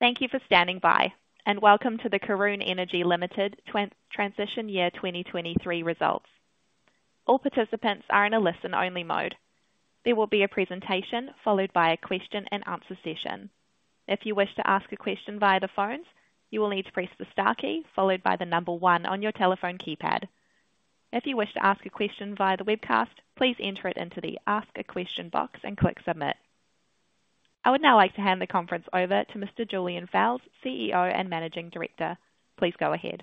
Thank you for standing by, and welcome to the Karoon Energy Limited Transition Year 2023 Results. All participants are in a listen-only mode. There will be a presentation, followed by a question and answer session. If you wish to ask a question via the phones, you will need to press the star key, followed by the number one on your telephone keypad. If you wish to ask a question via the webcast, please enter it into the Ask a Question box and click Submit. I would now like to hand the conference over to Mr. Julian Fowles, CEO and Managing Director. Please go ahead.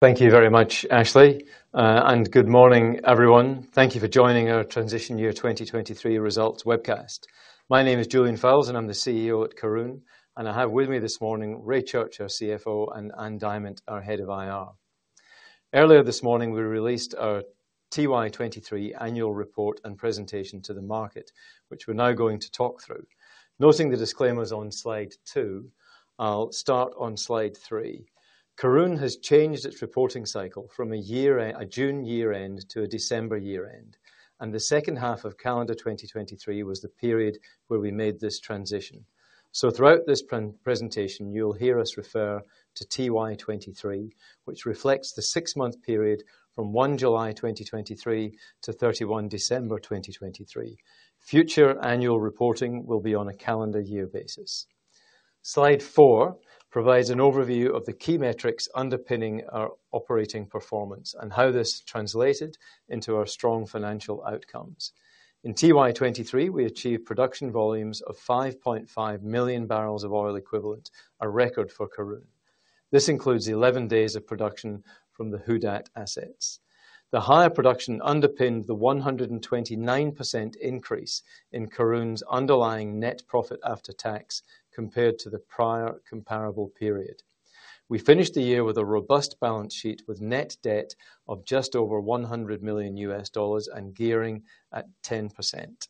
Thank you very much, Ashley. And good morning, everyone. Thank you for joining our Transition Year 2023 Results Webcast. My name is Julian Fowles, and I'm the CEO at Karoon, and I have with me this morning Ray Church, our CFO, and Ann Diamant, our Head of IR. Earlier this morning, we released our TY23 Annual Report and presentation to the market, which we're now going to talk through. Noting the disclaimers on slide two, I'll start on slide three. Karoon has changed its reporting cycle from a year-end - a June year-end to a December year-end, and the second half of calendar 2023 was the period where we made this transition. So throughout this presentation, you will hear us refer to TY 2023, which reflects the six-month period from 1 July 2023 to 31 December 2023. Future annual reporting will be on a calendar year basis. Slide four provides an overview of the key metrics underpinning our operating performance and how this translated into our strong financial outcomes. In FY 2023, we achieved production volumes of 5.5 million barrels of oil equivalent, a record for Karoon. This includes 11 days of production from the Who Dat assets. The higher production underpinned the 129% increase in Karoon's underlying net profit after tax compared to the prior comparable period. We finished the year with a robust balance sheet, with net debt of just over $100 million and gearing at 10%.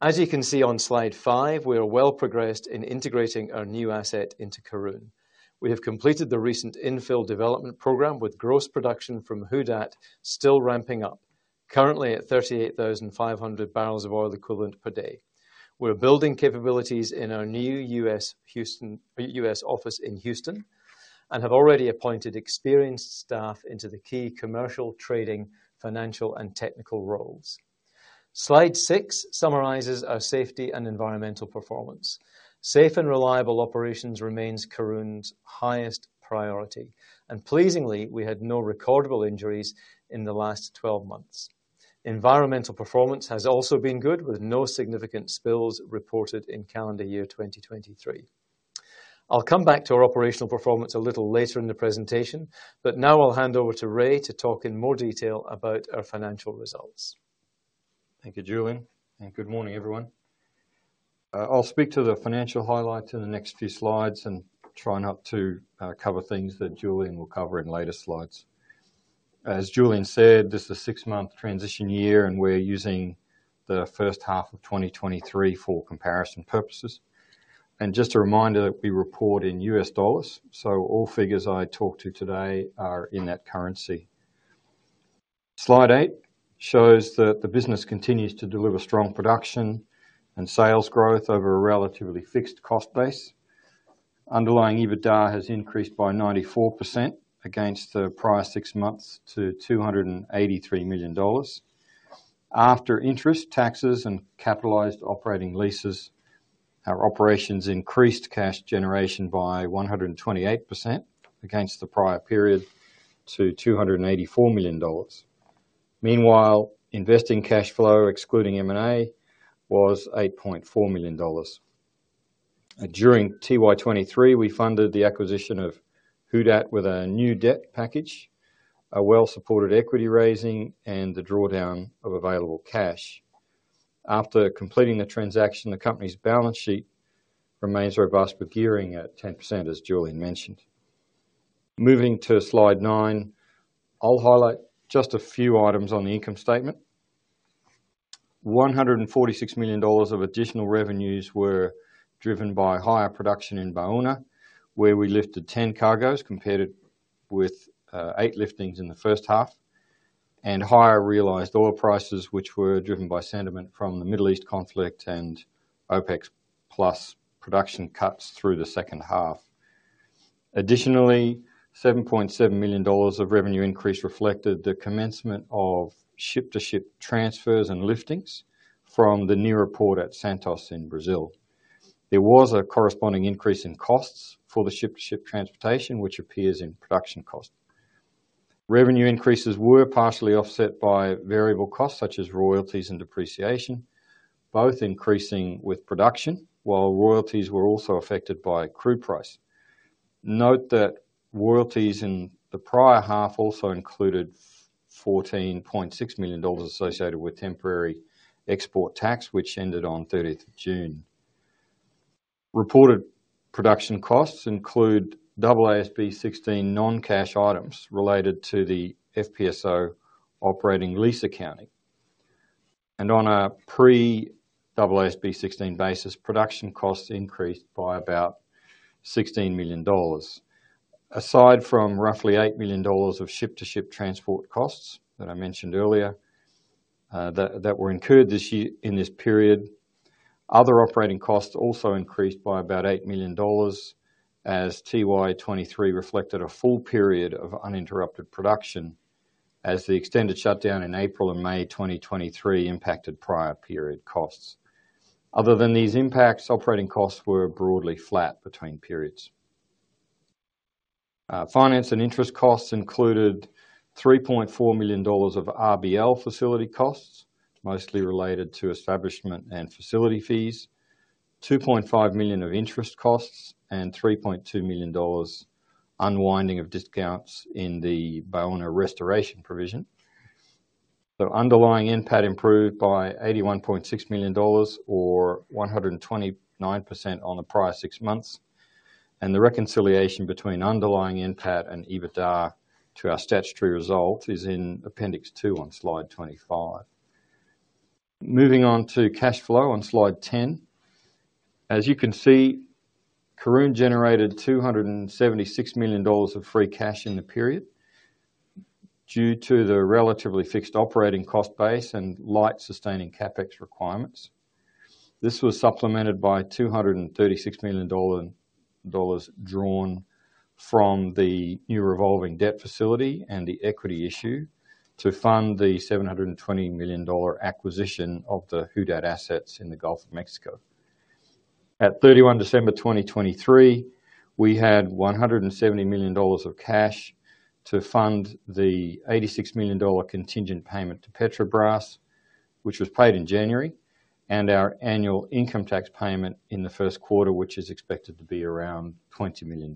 As you can see on Slide five, we are well progressed in integrating our new asset into Karoon. We have completed the recent infill development program, with gross production from Who Dat still ramping up, currently at 38,500 barrels of oil equivalent per day. We're building capabilities in our new U.S. office in Houston and have already appointed experienced staff into the key commercial, trading, financial, and technical roles. Slide six summarizes our safety and environmental performance. Safe and reliable operations remains Karoon's highest priority, and pleasingly, we had no recordable injuries in the last 12 months. Environmental performance has also been good, with no significant spills reported in calendar year 2023. I'll come back to our operational performance a little later in the presentation, but now I'll hand over to Ray to talk in more detail about our financial results. Thank you, Julian, and good morning, everyone. I'll speak to the financial highlights in the next few slides and try not to cover things that Julian will cover in later slides. As Julian said, this is a six-month transition year, and we're using the first half of 2023 for comparison purposes. And just a reminder that we report in US dollars, so all figures I talk to today are in that currency. Slide eight shows that the business continues to deliver strong production and sales growth over a relatively fixed cost base. Underlying EBITDA has increased by 94% against the prior six months to $283 million. After interest, taxes, and capitalized operating leases, our operations increased cash generation by 128% against the prior period to $284 million. Meanwhile, investing cash flow, excluding M&A, was $8.4 million. During FY 2023, we funded the acquisition of Who Dat with a new debt package, a well-supported equity raising, and the drawdown of available cash. After completing the transaction, the company's balance sheet remains robust, with gearing at 10%, as Julian mentioned. Moving to slide nine, I'll highlight just a few items on the income statement. $146 million of additional revenues were driven by higher production in Baúna, where we lifted 10 cargoes, compared with eight liftings in the first half, and higher realized oil prices, which were driven by sentiment from the Middle East conflict and OPEC+ production cuts through the second half. Additionally, $7.7 million of revenue increase reflected the commencement of ship-to-ship transfers and liftings from the Neon port at Santos in Brazil. There was a corresponding increase in costs for the ship-to-ship transportation, which appears in production cost. Revenue increases were partially offset by variable costs, such as royalties and depreciation, both increasing with production, while royalties were also affected by crude price. Note that royalties in the prior half also included $14.6 million associated with temporary export tax, which ended on 13th of June. Reported production costs include AASB 16 non-cash items related to the FPSO operating lease accounting. On a pre-AASB 16 basis, production costs increased by about $16 million. Aside from roughly $8 million of ship-to-ship transport costs that I mentioned earlier that were incurred this year in this period. Other operating costs also increased by about $8 million, as TY23 reflected a full period of uninterrupted production, as the extended shutdown in April and May 2023 impacted prior period costs. Other than these impacts, operating costs were broadly flat between periods. Finance and interest costs included $3.4 million of RBL facility costs, mostly related to establishment and facility fees, $2.5 million of interest costs, and $3.2 million unwinding of discounts in the Baúna restoration provision. So underlying NPAT improved by $81.6 million, or 129% on the prior six months, and the reconciliation between underlying NPAT and EBITDA to our statutory result is in appendix 2 on slide 25. Moving on to cash flow on slide 10. As you can see, Karoon generated $276 million of free cash in the period, due to the relatively fixed operating cost base and light sustaining CapEx requirements. This was supplemented by $236 million dollars drawn from the new revolving debt facility and the equity issue to fund the $720 million acquisition of the Who Dat assets in the Gulf of Mexico. At 31 December 2023, we had $170 million of cash to fund the $86 million contingent payment to Petrobras, which was paid in January, and our annual income tax payment in the Q1, which is expected to be around $20 million.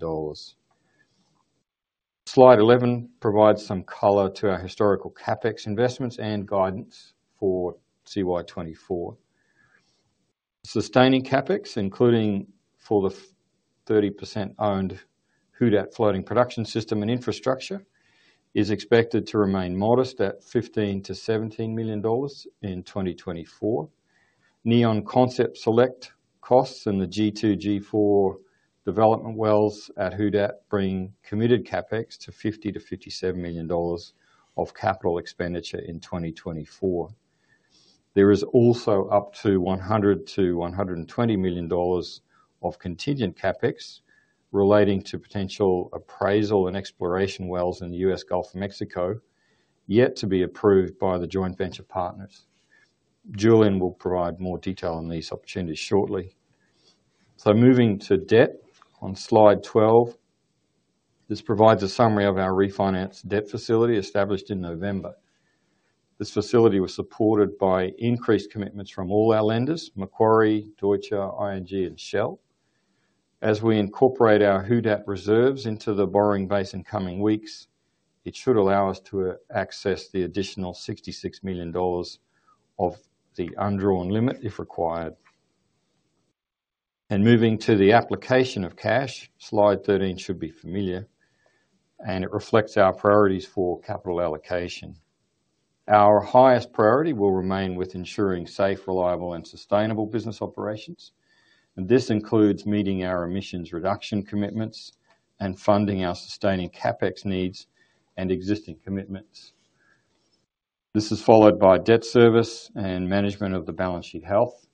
Slide 11 provides some color to our historical CapEx investments and guidance for CY 2024. Sustaining CapEx, including fully 30%-owned Who Dat floating production system and infrastructure, is expected to remain modest at $15-$17 million in 2024. Neon concept select costs and the G-2, G-4 development wells at Who Dat bring committed CapEx to $50-$57 million of capital expenditure in 2024. There is also up to $100-$120 million of contingent CapEx relating to potential appraisal and exploration wells in the U.S. Gulf of Mexico, yet to be approved by the joint venture partners. Julian will provide more detail on these opportunities shortly. Moving to debt on Slide 12. This provides a summary of our refinance debt facility established in November. This facility was supported by increased commitments from all our lenders, Macquarie, Deutsche, ING, and Shell. As we incorporate our Who Dat reserves into the borrowing base in coming weeks, it should allow us to access the additional $66 million of the undrawn limit, if required. Moving to the application of cash, Slide 13 should be familiar, and it reflects our priorities for capital allocation. Our highest priority will remain with ensuring safe, reliable, and sustainable business operations, and this includes meeting our emissions reduction commitments and funding our sustaining CapEx needs and existing commitments. This is followed by debt service and management of the balance sheet health.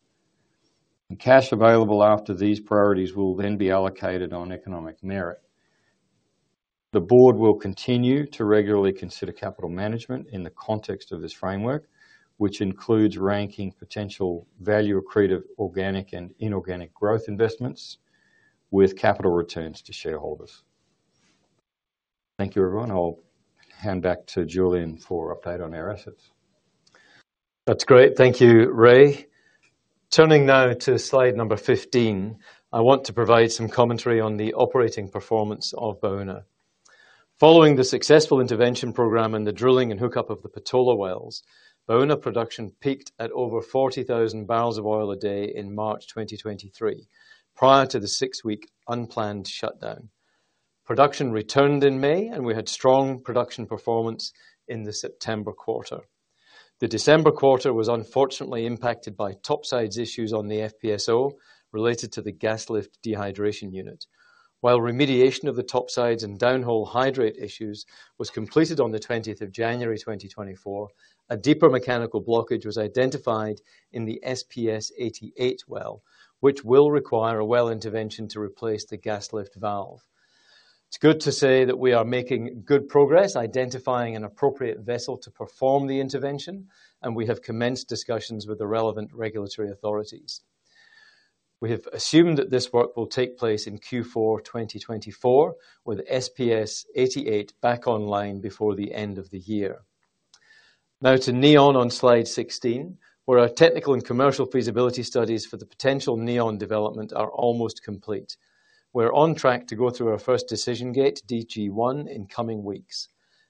Cash available after these priorities will then be allocated on economic merit. The board will continue to regularly consider capital management in the context of this framework, which includes ranking potential value accretive, organic, and inorganic growth investments with capital returns to shareholders. Thank you, everyone. I'll hand back to Julian for update on our assets. That's great. Thank you, Ray. Turning now to slide number 15, I want to provide some commentary on the operating performance of Baúna. Following the successful intervention program and the drilling and hookup of the Patola wells, Baúna production peaked at over 40,000 barrels of oil a day in March 2023, prior to the six-week unplanned shutdown. Production returned in May, and we had strong production performance in the September quarter. The December quarter was unfortunately impacted by topsides issues on the FPSO related to the gas lift dehydration unit. While remediation of the topsides and downhole hydrate issues was completed on the twentieth of January 2024, a deeper mechanical blockage was identified in the SPS-88 well, which will require a well intervention to replace the gas lift valve. It's good to say that we are making good progress identifying an appropriate vessel to perform the intervention, and we have commenced discussions with the relevant regulatory authorities. We have assumed that this work will take place in Q4 2024, with SPS-88 back online before the end of the year. Now to Neon on slide 16, where our technical and commercial feasibility studies for the potential Neon development are almost complete. We're on track to go through our first decision gate, DG-1, in coming weeks.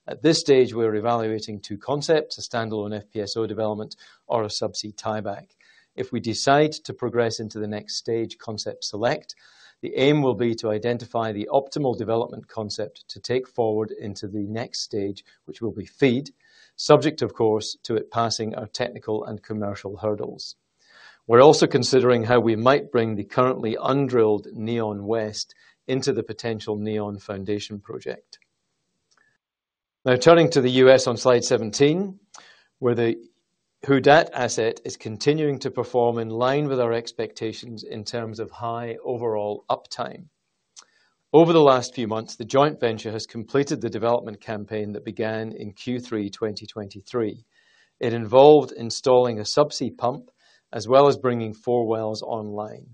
At this stage, we're evaluating two concepts: a standalone FPSO development or a subsea tieback. If we decide to progress into the next stage, concept select, the aim will be to identify the optimal development concept to take forward into the next stage, which will be FEED, subject, of course, to it passing our technical and commercial hurdles. We're also considering how we might bring the currently undrilled Neon West into the potential Neon Foundation project. Now turning to the U.S. on Slide 17, where the Who Dat asset is continuing to perform in line with our expectations in terms of high overall uptime. Over the last few months, the joint venture has completed the development campaign that began in Q3 2023. It involved installing a subsea pump, as well as bringing four wells online.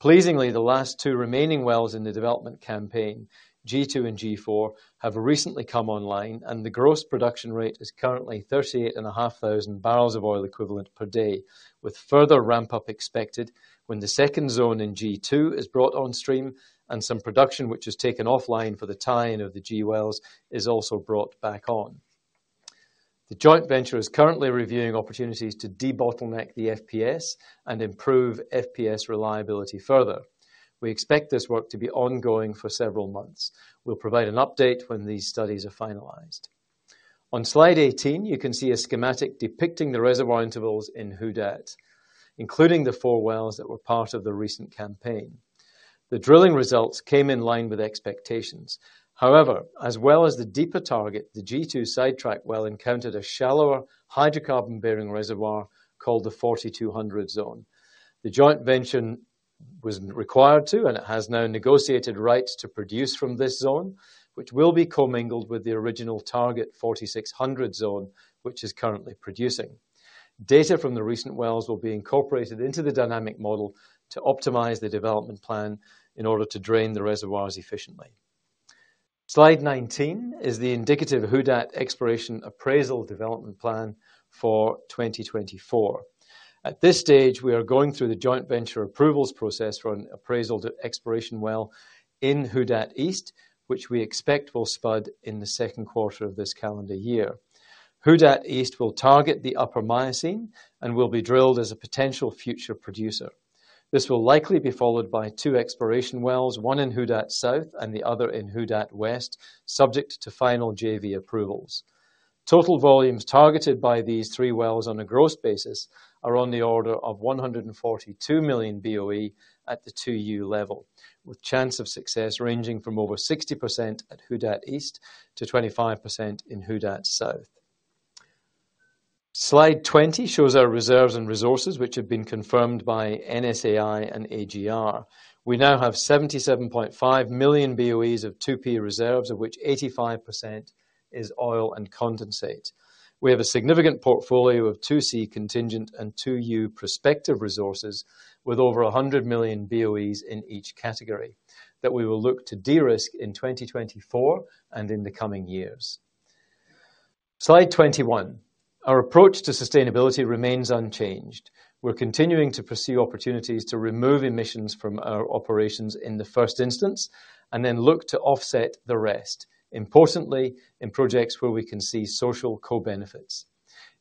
Pleasingly, the last two remaining wells in the development campaign, G-2 and G-4, have recently come online, and the gross production rate is currently 38,500 barrels of oil equivalent per day, with further ramp-up expected when the second zone in G-2 is brought on stream and some production, which is taken offline for the tie-in of the G wells, is also brought back on. The joint venture is currently reviewing opportunities to debottleneck the FPS and improve FPS reliability further. We expect this work to be ongoing for several months. We'll provide an update when these studies are finalized. On Slide 18, you can see a schematic depicting the reservoir intervals in Who Dat, including the 4 wells that were part of the recent campaign. The drilling results came in line with expectations. However, as well as the deeper target, the G2 sidetrack well encountered a shallower hydrocarbon-bearing reservoir called the 4200 zone. The joint venture was required to, and it has now negotiated rights to produce from this zone, which will be commingled with the original target, 4600 zone, which is currently producing. Data from the recent wells will be incorporated into the dynamic model to optimize the development plan in order to drain the reservoirs efficiently. Slide 19 is the indicative Who Dat exploration appraisal development plan for 2024. At this stage, we are going through the joint venture approvals process for an appraisal to exploration well in Who Dat East, which we expect will spud in the Q2 of this calendar year. Who Dat East will target the upper Miocene and will be drilled as a potential future producer. This will likely be followed by two exploration wells, one in Who Dat South and the other in Who Dat West, subject to final JV approvals. Total volumes targeted by these three wells on a gross basis are on the order of 142 million BOE at the 2U level, with chance of success ranging from over 60% at Who Dat East to 25% in Who Dat South. Slide 20 shows our reserves and resources, which have been confirmed by NSAI and AGR. We now have 77.5 million BOEs of 2P reserves, of which 85% is oil and condensate. We have a significant portfolio of 2C contingent and 2U prospective resources, with over 100 million BOEs in each category, that we will look to de-risk in 2024 and in the coming years. Slide 21. Our approach to sustainability remains unchanged. We're continuing to pursue opportunities to remove emissions from our operations in the first instance, and then look to offset the rest, importantly, in projects where we can see social co-benefits.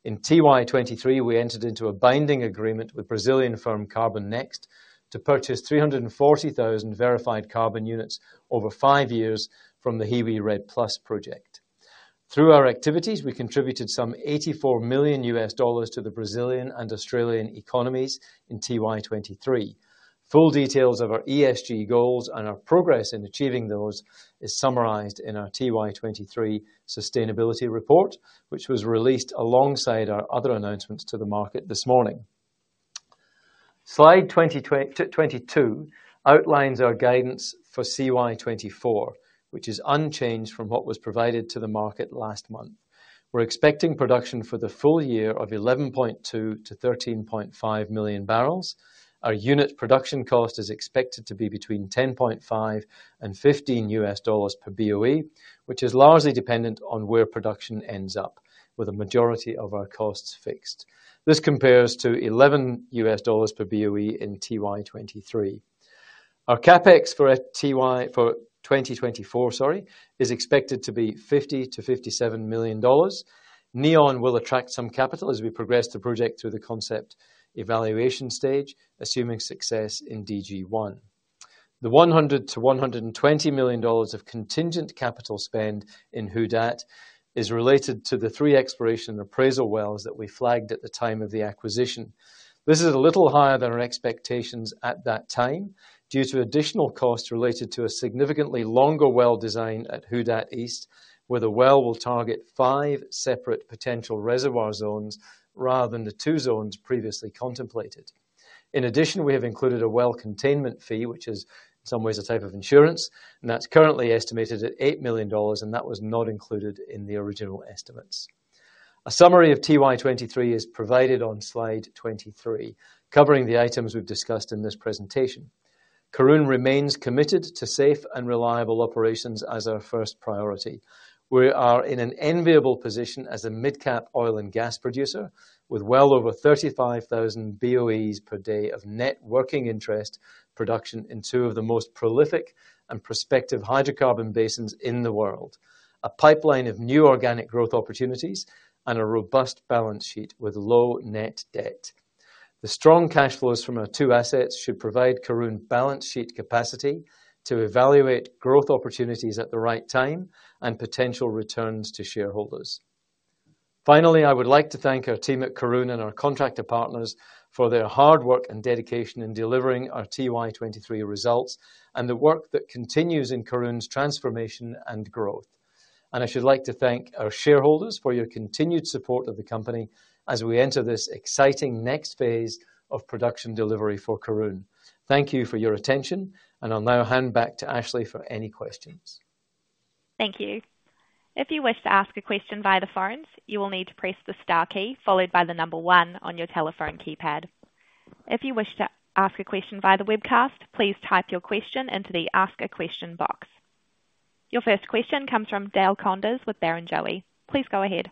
In FY 2023, we entered into a binding agreement with Brazilian firm Carbonext to purchase 340,000 verified carbon units over five years from the Hiwi REDD+ project. Through our activities, we contributed some $84 million to the Brazilian and Australian economies in FY 2023. Full details of our ESG goals and our progress in achieving those is summarized in our FY 2023 sustainability report, which was released alongside our other announcements to the market this morning. Slide 22 outlines our guidance for CY 2024, which is unchanged from what was provided to the market last month. We're expecting production for the full year of 11.2-13.5 million barrels. Our unit production cost is expected to be between $10.5-$15 per BOE, which is largely dependent on where production ends up, with the majority of our costs fixed. This compares to $11 per BOE in FY 2023. Our CapEx for FY, for 2024, sorry, is expected to be $50-$57 million. Neon will attract some capital as we progress the project through the concept evaluation stage, assuming success in DG-1. The $100 million-$120 million of contingent capital spend in Who Dat is related to the 3 exploration appraisal wells that we flagged at the time of the acquisition. This is a little higher than our expectations at that time, due to additional costs related to a significantly longer well design at Who Dat East, where the well will target 5 separate potential reservoir zones rather than the 2 zones previously contemplated. In addition, we have included a well containment fee, which is in some ways a type of insurance, and that's currently estimated at $8 million, and that was not included in the original estimates. A summary of FY 2023 is provided on Slide 23, covering the items we've discussed in this presentation. Karoon remains committed to safe and reliable operations as our first priority. We are in an enviable position as a midcap oil and gas producer, with well over 35,000 BOEs per day of net working interest production in two of the most prolific and prospective hydrocarbon basins in the world, a pipeline of new organic growth opportunities, and a robust balance sheet with low net debt. The strong cash flows from our two assets should provide Karoon balance sheet capacity to evaluate growth opportunities at the right time and potential returns to shareholders.... Finally, I would like to thank our team at Karoon and our contractor partners for their hard work and dedication in delivering our TY23 results and the work that continues in Karoon's transformation and growth. I should like to thank our shareholders for your continued support of the company as we enter this exciting next phase of production delivery for Karoon. Thank you for your attention, and I'll now hand back to Ashley for any questions. Thank you. If you wish to ask a question via the phones, you will need to press the star key, followed by the number one on your telephone keypad. If you wish to ask a question via the webcast, please type your question into the Ask a Question box. Your first question comes from Dale Koenders with Barrenjoey. Please go ahead.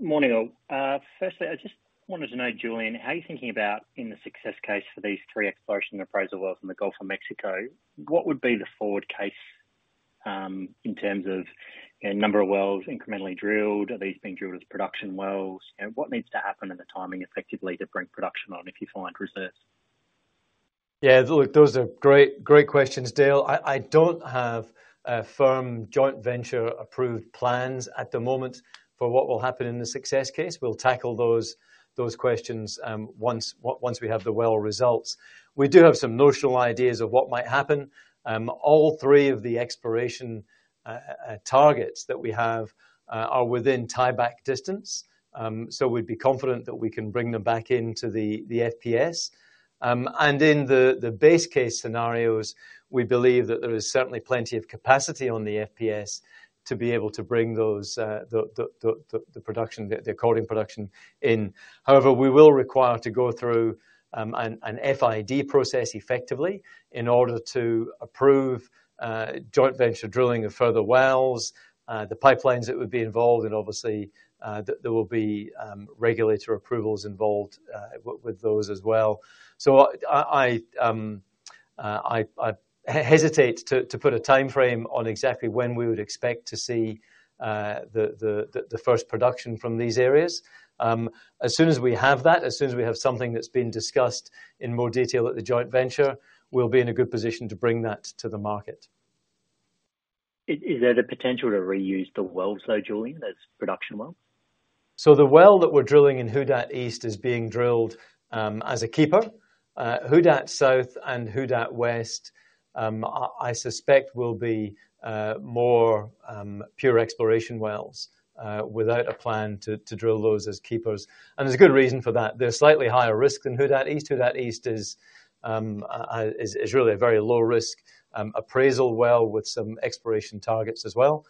Morning all. Firstly, I just wanted to know, Julian, how are you thinking about in the success case for these three exploration appraisal wells in the Gulf of Mexico, what would be the forward case, in terms of, you know, number of wells incrementally drilled? Are these being drilled as production wells? And what needs to happen in the timing effectively to bring production on if you find reserves? Yeah, look, those are great, great questions, Dale. I, I don't have a firm joint venture approved plans at the moment for what will happen in the success case. We'll tackle those, those questions, once we have the well results. We do have some notional ideas of what might happen. All three of the exploration targets that we have are within tieback distance. So we'd be confident that we can bring them back into the FPS. And in the base case scenarios, we believe that there is certainly plenty of capacity on the FPS to be able to bring those, the additional production in. However, we will require to go through an FID process effectively in order to approve joint venture drilling of further wells, the pipelines that would be involved, and obviously, there will be regulator approvals involved with those as well. So I hesitate to put a time frame on exactly when we would expect to see the first production from these areas. As soon as we have that, as soon as we have something that's been discussed in more detail at the joint venture, we'll be in a good position to bring that to the market. Is there the potential to reuse the wells, though, Julian, as production well? So the well that we're drilling in Who Dat East is being drilled as a keeper. Who Dat South and Who Dat West, I suspect will be more pure exploration wells without a plan to drill those as keepers. And there's a good reason for that. They're slightly higher risk than Who Dat East. Who Dat East is really a very low risk appraisal well with some exploration targets as well,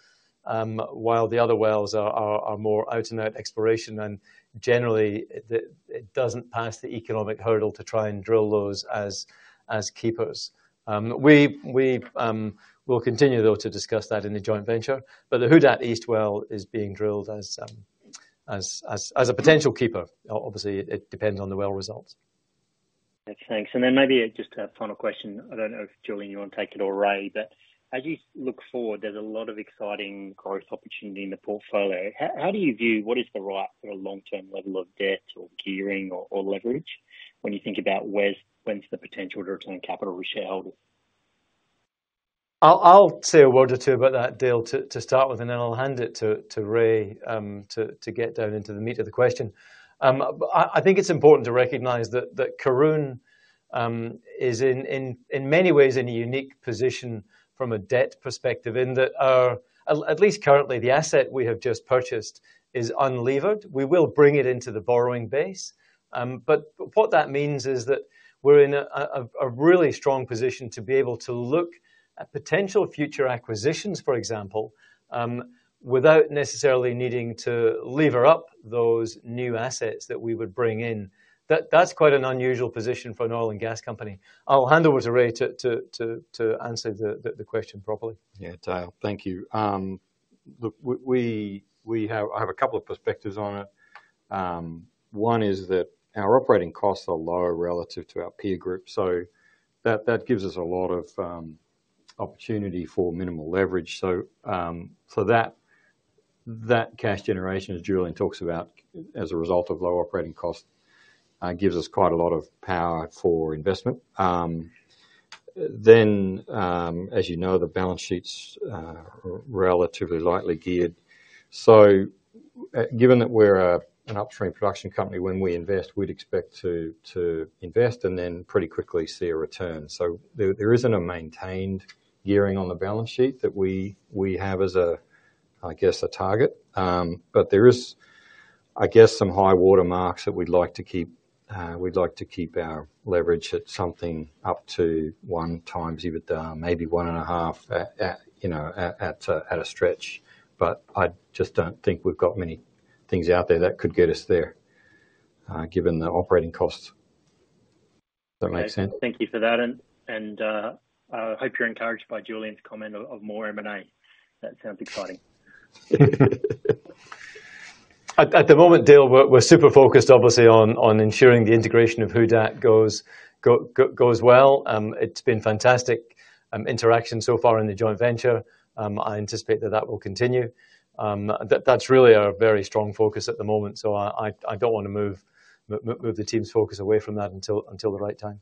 while the other wells are more out-and-out exploration, and generally, it doesn't pass the economic hurdle to try and drill those as keepers. We will continue, though, to discuss that in the joint venture, but the Who Dat East well is being drilled as a potential keeper. Obviously, it depends on the well results. Thanks, thanks. And then maybe just a final question. I don't know if, Julian, you want to take it or Ray, but as you look forward, there's a lot of exciting growth opportunity in the portfolio. How, how do you view what is the right sort of long-term level of debt or gearing or, or leverage when you think about where's, when's the potential to return capital to shareholders? I'll say a word or two about that, Dale, to start with, and then I'll hand it to Ray to get down into the meat of the question. I think it's important to recognize that Karoon is in many ways in a unique position from a debt perspective, in that at least currently, the asset we have just purchased is unlevered. We will bring it into the borrowing base. But what that means is that we're in a really strong position to be able to look at potential future acquisitions, for example, without necessarily needing to lever up those new assets that we would bring in. That's quite an unusual position for an oil and gas company. I'll hand over to Ray to answer the question properly. Yeah, Dale, thank you. Look, we have... I have a couple of perspectives on it. One is that our operating costs are lower relative to our peer group, so that gives us a lot of opportunity for minimal leverage. So, so that cash generation, as Julian talks about, as a result of low operating costs, gives us quite a lot of power for investment. Then, as you know, the balance sheet's relatively lightly geared. So given that we're an upstream production company, when we invest, we'd expect to invest and then pretty quickly see a return. So there isn't a maintained gearing on the balance sheet that we have as, I guess, a target. But there is, I guess, some high water marks that we'd like to keep. We'd like to keep our leverage at something up to 1x EBITDA, maybe 1.5x at a stretch. But I just don't think we've got many things out there that could get us there, given the operating costs. Does that make sense? Thank you for that, and I hope you're encouraged by Julian's comment of more M&A. That sounds exciting. At the moment, Dale, we're super focused, obviously, on ensuring the integration of Who Dat goes well. It's been fantastic interaction so far in the joint venture. I anticipate that that will continue. That's really our very strong focus at the moment, so I don't want to move the team's focus away from that until the right time.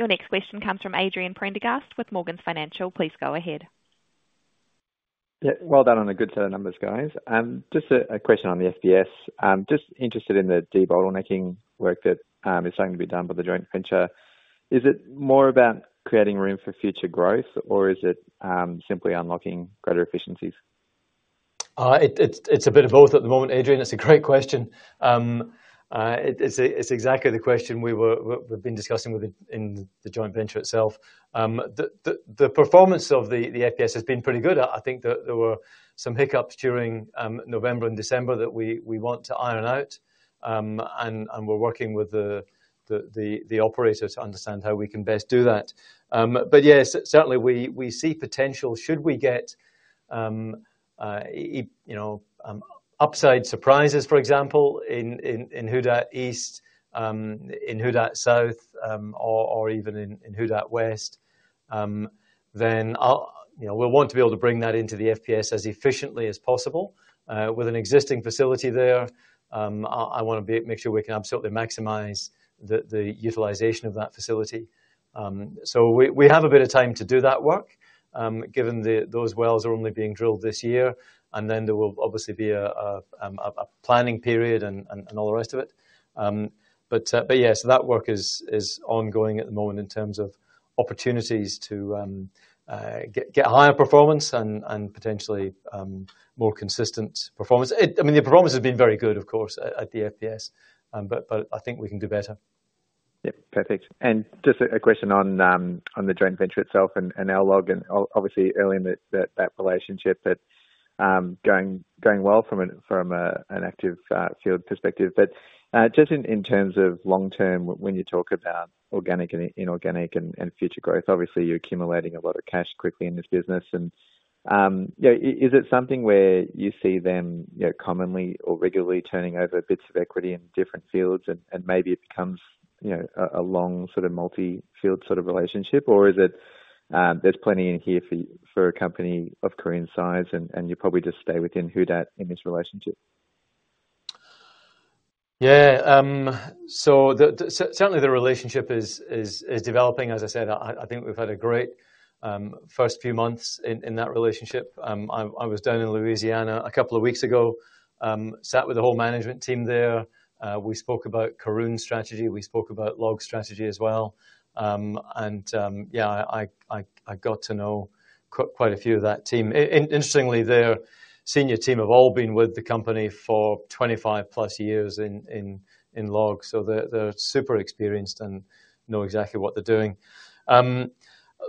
Your next question comes from Adrian Prendergast with Morgans Financial. Please go ahead. Yeah, well done on a good set of numbers, guys. Just a question on the FPS. Just interested in the debottlenecking work that is starting to be done by the joint venture. Is it more about creating room for future growth, or is it simply unlocking greater efficiencies? It's a bit of both at the moment, Adrian. That's a great question. It's exactly the question we've been discussing in the joint venture itself. The performance of the FPS has been pretty good. I think that there were some hiccups during November and December that we want to iron out. And we're working with the operator to understand how we can best do that. But yeah, certainly, we see potential should we get you know, upside surprises, for example, in Who Dat East, in Who Dat South, or even in Who Dat West. Then you know, we'll want to be able to bring that into the FPS as efficiently as possible. With an existing facility there, I want to make sure we can absolutely maximize the utilization of that facility. So we have a bit of time to do that work, given those wells are only being drilled this year, and then there will obviously be a planning period and all the rest of it. But yes, that work is ongoing at the moment in terms of opportunities to get higher performance and potentially more consistent performance. I mean, the performance has been very good, of course, at the FPS, but I think we can do better. Yep, perfect. And just a question on the joint venture itself and LLOG, and obviously early in that relationship, but going well from an active field perspective. But just in terms of long-term, when you talk about organic and inorganic and future growth, obviously, you're accumulating a lot of cash quickly in this business. And yeah, is it something where you see them, you know, commonly or regularly turning over bits of equity in different fields and maybe it becomes, you know, a long sort of multi-field sort of relationship? Or is it, there's plenty in here for a company of Karoon's size, and you probably just stay within Who Dat in this relationship? Yeah, so certainly the relationship is developing. As I said, I think we've had a great first few months in that relationship. I was down in Louisiana a couple of weeks ago, sat with the whole management team there. We spoke about Karoon's strategy, we spoke about LLOG's strategy as well. And yeah, I got to know quite a few of that team. Interestingly, their senior team have all been with the company for 25+ years in LLOG, so they're super experienced and know exactly what they're doing.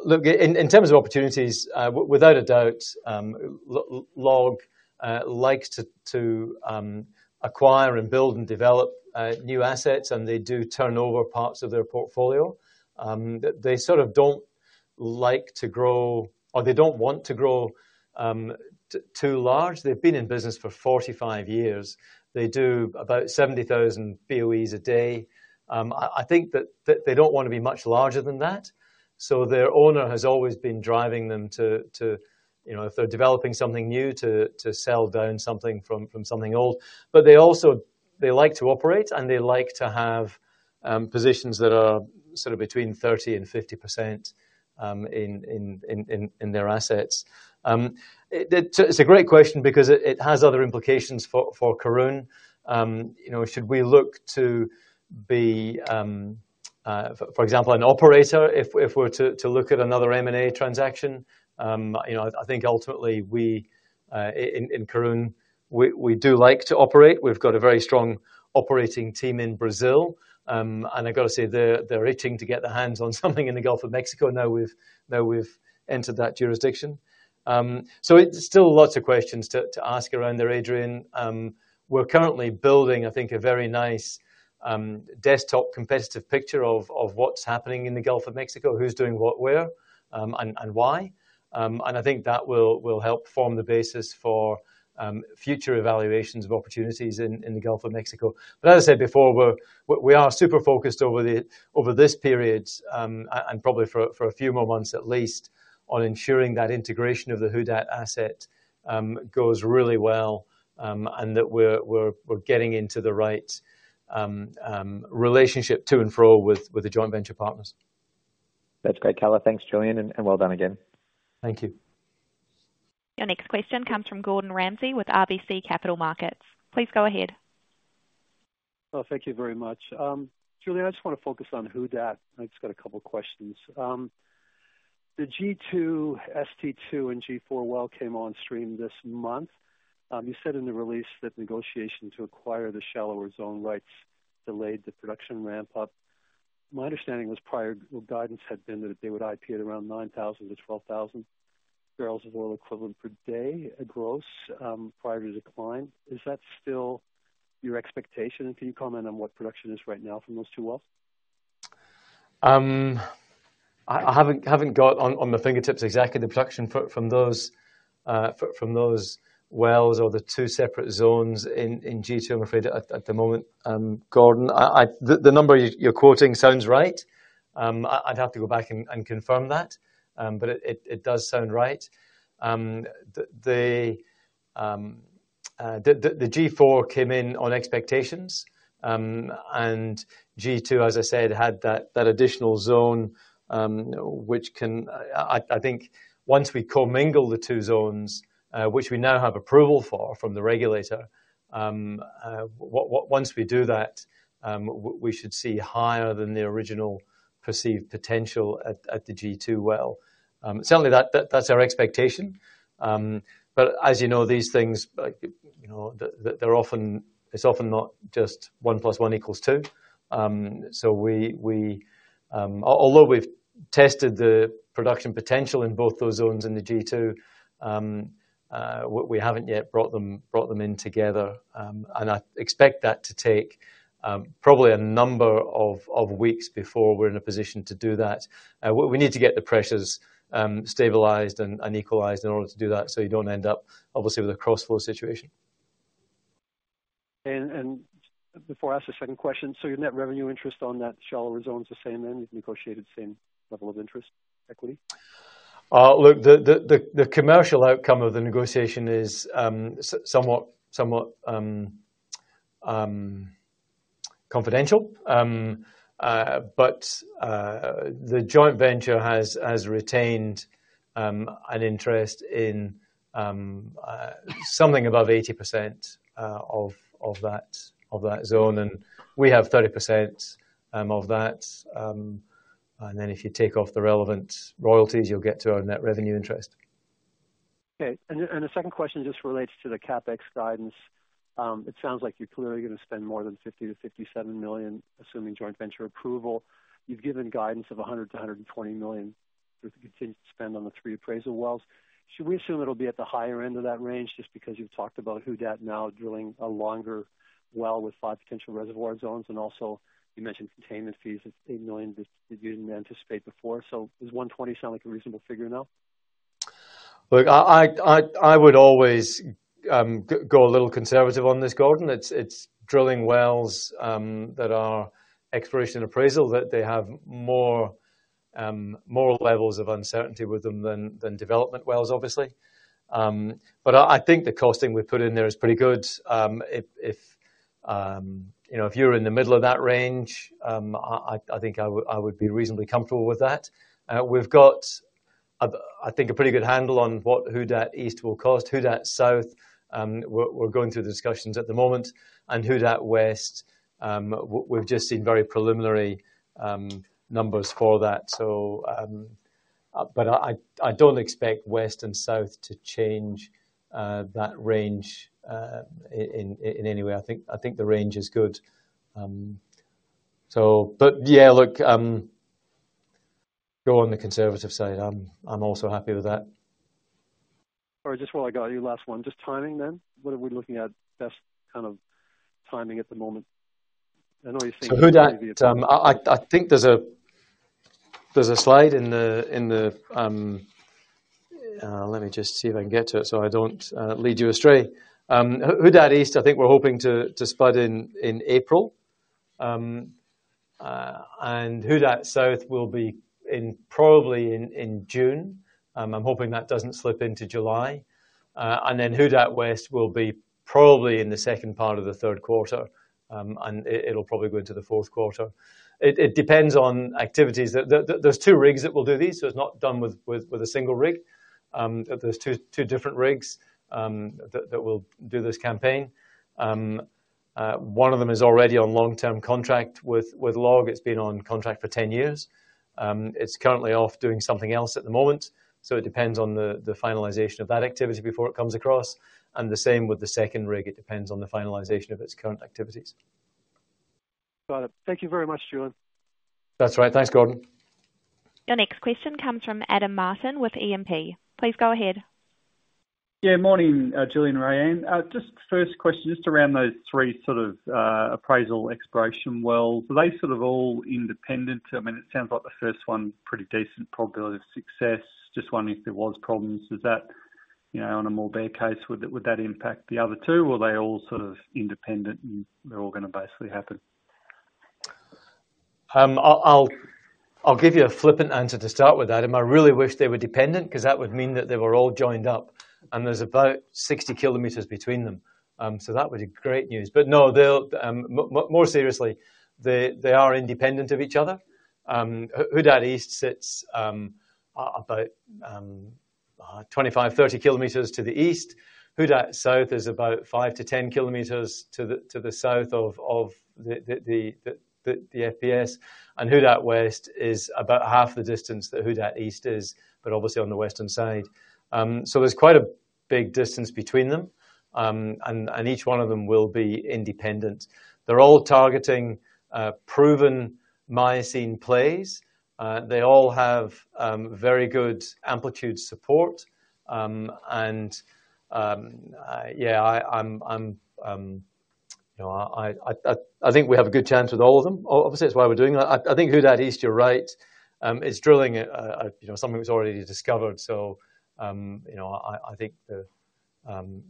Look, in terms of opportunities, without a doubt, LLOG likes to acquire and build and develop new assets, and they do turn over parts of their portfolio. They sort of don't like to grow, or they don't want to grow too large. They've been in business for 45 years. They do about 70,000 BOEs a day. I think they don't want to be much larger than that. So their owner has always been driving them to you know, if they're developing something new, to sell down something from something old. But they also they like to operate, and they like to have positions that are sort of between 30%-50% in their assets. It's a great question because it has other implications for Karoon. You know, should we look to be, for example, an operator if we're to look at another M&A transaction? You know, I think ultimately, in Karoon, we do like to operate. We've got a very strong operating team in Brazil. And I got to say, they're itching to get their hands on something in the Gulf of Mexico now we've entered that jurisdiction. So it's still lots of questions to ask around there, Adrian. We're currently building, I think, a very nice desktop competitive picture of what's happening in the Gulf of Mexico, who's doing what, where, and why. And I think that will help form the basis for future evaluations of opportunities in the Gulf of Mexico. But as I said before, we are super focused over this period, and probably for a few more months at least, on ensuring that integration of the Who Dat asset goes really well, and that we're getting into the right relationship to and fro with the joint venture partners. That's great, Caleb. Thanks, Julian, and well done again. Thank you. Your next question comes from Gordon Ramsay with RBC Capital Markets. Please go ahead. Well, thank you very much. Julian, I just want to focus on Who Dat. I just got a couple questions. The G-2, ST-2, and G-4 well came on stream this month. You said in the release that negotiations to acquire the shallower zone rights delayed the production ramp up. My understanding was prior guidance had been that they would IP at around 9,000-12,000 barrels of oil equivalent per day, gross, prior to decline. Is that still your expectation? And can you comment on what production is right now from those two wells? I haven't got on my fingertips exactly the production from those wells or the two separate zones in G-2, I'm afraid at the moment, Gordon. The number you're quoting sounds right. I'd have to go back and confirm that, but it does sound right. The G4 came in on expectations, and G-2, as I said, had that additional zone, which, I think once we commingle the two zones, which we now have approval for from the regulator, once we do that, we should see higher than the original perceived potential at the G-2 well. Certainly, that's our expectation. But as you know, these things, like, you know, they're often. It's often not just 1 + 1 = 2. So we, although we've tested the production potential in both those zones in the G-2, we haven't yet brought them, brought them in together, and I expect that to take probably a number of weeks before we're in a position to do that. We need to get the pressures stabilized and equalized in order to do that, so you don't end up, obviously, with a crossflow situation. And before I ask the second question, so your net revenue interest on that shallower zone is the same, then? You've negotiated the same level of interest, equity? Look, the commercial outcome of the negotiation is somewhat confidential. But the joint venture has retained an interest in something above 80% of that zone, and we have 30% of that. And then if you take off the relevant royalties, you'll get to our net revenue interest. Okay, and the second question just relates to the CapEx guidance. It sounds like you're clearly going to spend more than $50-$57 million, assuming joint venture approval. You've given guidance of $100-$120 million to continue to spend on the three appraisal wells. Should we assume it'll be at the higher end of that range, just because you've talked about Who Dat now drilling a longer well with five potential reservoir zones, and also you mentioned containment fees of $8 million, that you didn't anticipate before, so does $120 million sound like a reasonable figure now? Look, I would always go a little conservative on this, Gordon. It's drilling wells that are exploration appraisal that they have more levels of uncertainty with them than development wells, obviously. But I think the costing we put in there is pretty good. If you know, if you're in the middle of that range, I think I would be reasonably comfortable with that. We've got, I think, a pretty good handle on what Who Dat East will cost. Who Dat South, we're going through the discussions at the moment, and Who Dat West, we've just seen very preliminary numbers for that. So, but I don't expect West and South to change that range in any way. I think the range is good. So... But yeah, look, go on the conservative side. I'm also happy with that. All right, just while I got you, last one, just timing then. What are we looking at best, kind of, timing at the moment? I know you're saying- So Who Dat, I think there's a slide in the, let me just see if I can get to it, so I don't lead you astray. Who Dat East, I think we're hoping to spot in April. And Who Dat South will be in probably in June. I'm hoping that doesn't slip into July. And then Who Dat West will be probably in the second part of the Q3, and it'll probably go into the Q4. It depends on activities. There's two rigs that will do these, so it's not done with a single rig. There's two different rigs that will do this campaign. One of them is already on long-term contract with LLOG. It's been on contract for 10 years. It's currently off doing something else at the moment, so it depends on the finalization of that activity before it comes across. The same with the second rig, it depends on the finalization of its current activities. Got it. Thank you very much, Julian. That's right. Thanks, Gordon. Your next question comes from Adam Martin with E&P. Please go ahead. Yeah, morning, Julian and Ray. Just first question, just around those three sort of appraisal exploration wells. Are they sort of all independent? I mean, it sounds like the first one, pretty decent probability of success. Just wondering if there was problems, does that, you know, on a more bear case, would that, would that impact the other two, or are they all sort of independent, and they're all gonna basically happen? I'll give you a flippant answer to start with, Adam. I really wish they were dependent, 'cause that would mean that they were all joined up, and there's about 60 km between them. So that would be great news. But no, they'll more seriously, they are independent of each other. Who Dat East sits about 25-30 km to the east. Who Dat South is about 5-10 km to the south of the FPS. And Who Dat West is about half the distance that Who Dat East is, but obviously on the western side. So there's quite a big distance between them, and each one of them will be independent. They're all targeting proven Miocene plays. They all have very good amplitude support. Yeah, you know, I think we have a good chance with all of them. Obviously, that's why we're doing that. I think Who Dat East, you're right, is drilling at, you know, something that's already discovered. So, you know, I think...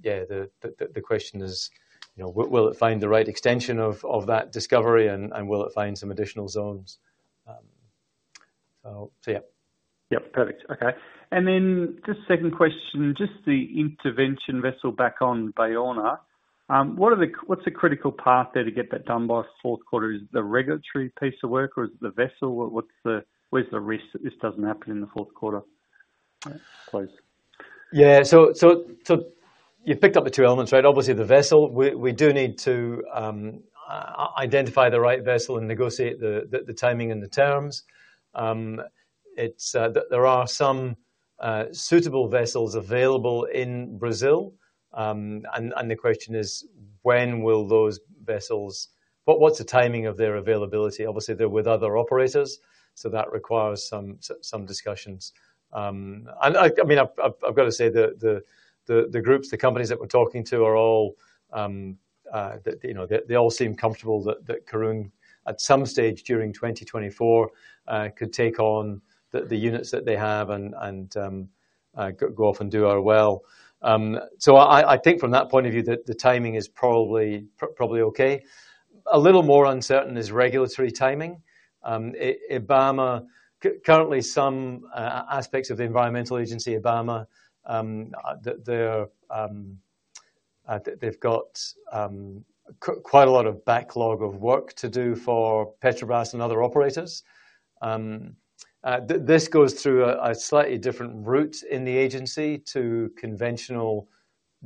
Yeah, the question is, you know, will it find the right extension of that discovery, and will it find some additional zones? So, yeah. Yep, perfect. Okay, and then just second question, just the intervention vessel back on Baúna. What's the critical path there to get that done by Q4? Is it the regulatory piece of work, or is it the vessel? Where's the risk that this doesn't happen in the Q4? Please. Yeah, so you picked up the two elements, right? Obviously, the vessel. We do need to identify the right vessel and negotiate the timing and the terms. There are some suitable vessels available in Brazil. And the question is, when will those vessels—what's the timing of their availability? Obviously, they're with other operators, so that requires some discussions. And I mean, I've got to say that the groups, the companies that we're talking to, are all that, you know, they all seem comfortable that Karoon, at some stage during 2024, could take on the units that they have and go off and do our well. So I think from that point of view, the timing is probably okay. A little more uncertain is regulatory timing. IBAMA, currently, some aspects of the Environmental Agency, IBAMA, they've got quite a lot of backlog of work to do for Petrobras and other operators. This goes through a slightly different route in the agency to conventional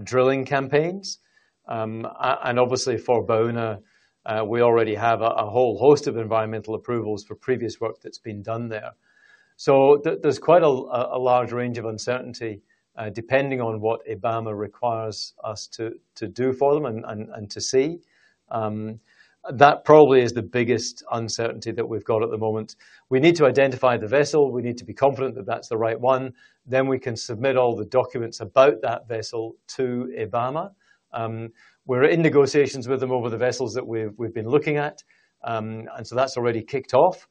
drilling campaigns. And obviously, for Baúna, we already have a whole host of environmental approvals for previous work that's been done there. So there's quite a large range of uncertainty, depending on what IBAMA requires us to do for them and to see. That probably is the biggest uncertainty that we've got at the moment. We need to identify the vessel. We need to be confident that that's the right one. Then we can submit all the documents about that vessel to IBAMA. We're in negotiations with them over the vessels that we've been looking at, and so that's already kicked off.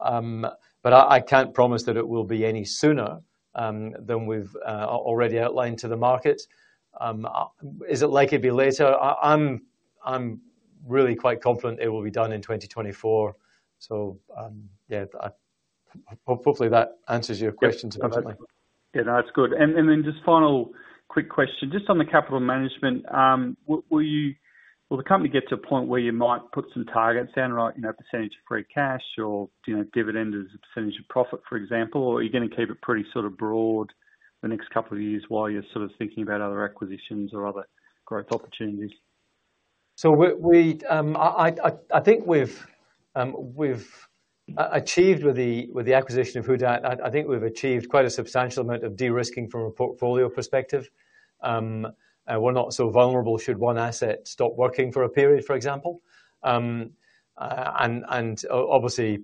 But I can't promise that it will be any sooner than we've already outlined to the market. Is it likely to be later? I'm really quite confident it will be done in 2024. So, yeah, hopefully that answers your questions about that. Yeah, no, it's good. And then just final quick question, just on the capital management. Will the company get to a point where you might put some targets down, like, you know, percentage of free cash or, you know, dividend as a percentage of profit, for example? Or are you gonna keep it pretty sort of broad the next couple of years while you're sort of thinking about other acquisitions or other growth opportunities? So I think we've achieved with the acquisition of Who Dat, I think we've achieved quite a substantial amount of de-risking from a portfolio perspective. We're not so vulnerable, should one asset stop working for a period, for example. And obviously,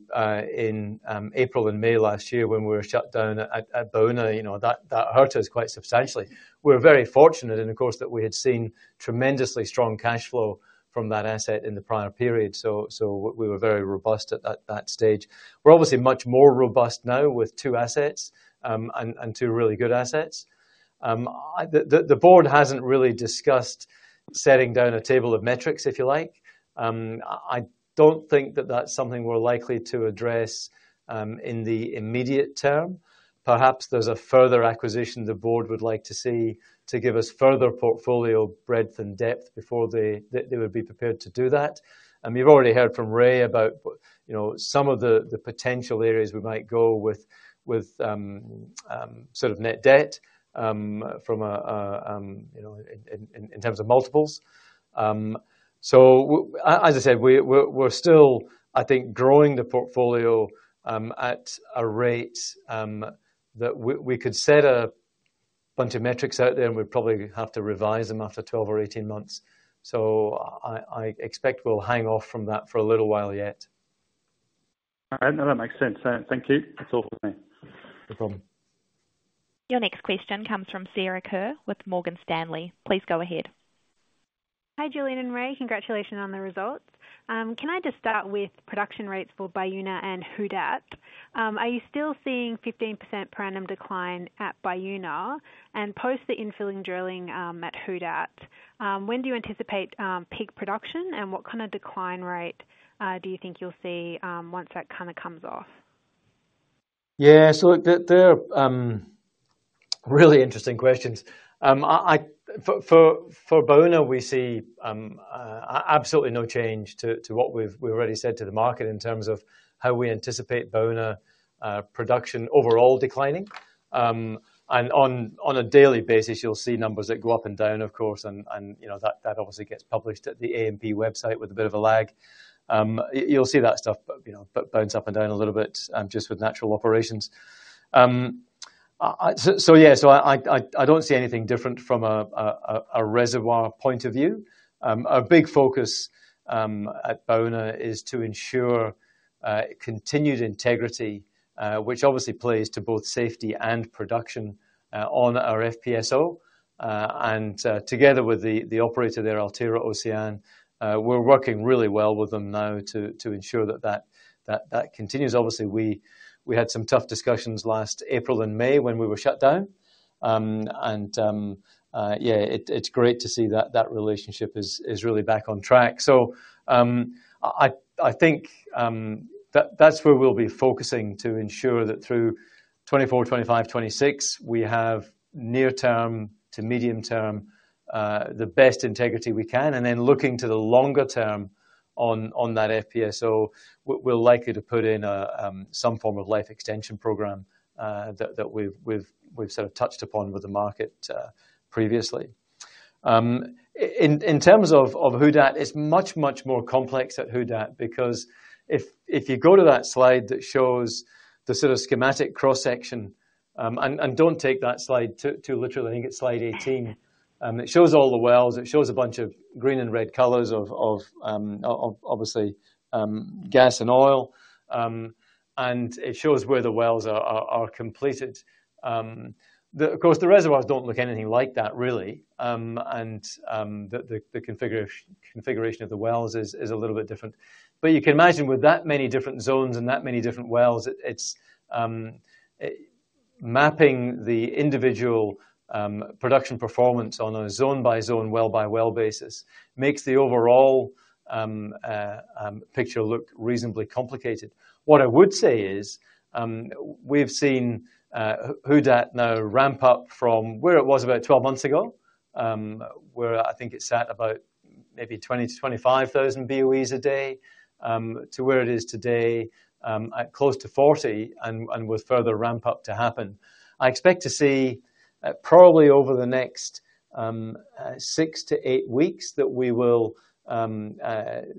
in April and May last year, when we were shut down at Baúna, you know, that hurt us quite substantially. We're very fortunate, and of course, that we had seen tremendously strong cash flow from that asset in the prior period. So we were very robust at that stage. We're obviously much more robust now with two assets, and two really good assets. The board hasn't really discussed setting down a table of metrics, if you like. I don't think that that's something we're likely to address in the immediate term. Perhaps there's a further acquisition the board would like to see to give us further portfolio breadth and depth before they would be prepared to do that. And we've already heard from Ray about, you know, some of the potential areas we might go with, with sort of net debt from a, you know, in terms of multiples. So as I said, we're still, I think, growing the portfolio at a rate that we could set a bunch of metrics out there, and we'd probably have to revise them after 12 or 18 months. So I expect we'll hang off from that for a little while yet. All right. No, that makes sense. Thank you. That's all for me. No problem. Your next question comes from Sarah Kerr with Morgan Stanley. Please go ahead. Hi, Julian and Ray. Congratulations on the results. Can I just start with production rates for Baúna and Who Dat? Are you still seeing 15% per annum decline at Baúna? And post the infill drilling, at Who Dat, when do you anticipate, peak production, and what kind of decline rate, do you think you'll see, once that kind of comes off? Yeah, so they're really interesting questions. For Baúna, we see absolutely no change to what we've already said to the market in terms of how we anticipate Baúna production overall declining. And on a daily basis, you'll see numbers that go up and down, of course, and you know, that obviously gets published at the ANP website with a bit of a lag. You'll see that stuff, you know, bounce up and down a little bit just with natural operations. So yeah, so I don't see anything different from a reservoir point of view. Our big focus at Baúna is to ensure continued integrity, which obviously plays to both safety and production on our FPSO. And together with the operator there, Altera Ocyan we're working really well with them now to ensure that that continues. Obviously, we had some tough discussions last April and May when we were shut down. And yeah, it's great to see that that relationship is really back on track. So I think that's where we'll be focusing to ensure that through 2024, 2025, 2026, we have near term to medium term the best integrity we can, and then looking to the longer term on that FPSO, we're likely to put in some form of life extension program that we've sort of touched upon with the market previously. In terms of Who Dat, it's much more complex at Who Dat, because if you go to that slide that shows the sort of schematic cross-section... And don't take that slide too literally. I think it's slide 18. It shows all the wells. It shows a bunch of green and red colors of obviously gas and oil. And it shows where the wells are completed. Of course, the reservoirs don't look anything like that, really. And the configuration of the wells is a little bit different. But you can imagine with that many different zones and that many different wells, it's mapping the individual production performance on a zone-by-zone, well-by-well basis makes the overall picture look reasonably complicated. What I would say is, we've seen Who Dat now ramp up from where it was about twelve months ago, where I think it sat about maybe 20-25,000 BOE a day, to where it is today, at close to 40, and with further ramp-up to happen. I expect to see, probably over the next, 6-8 weeks, that we will,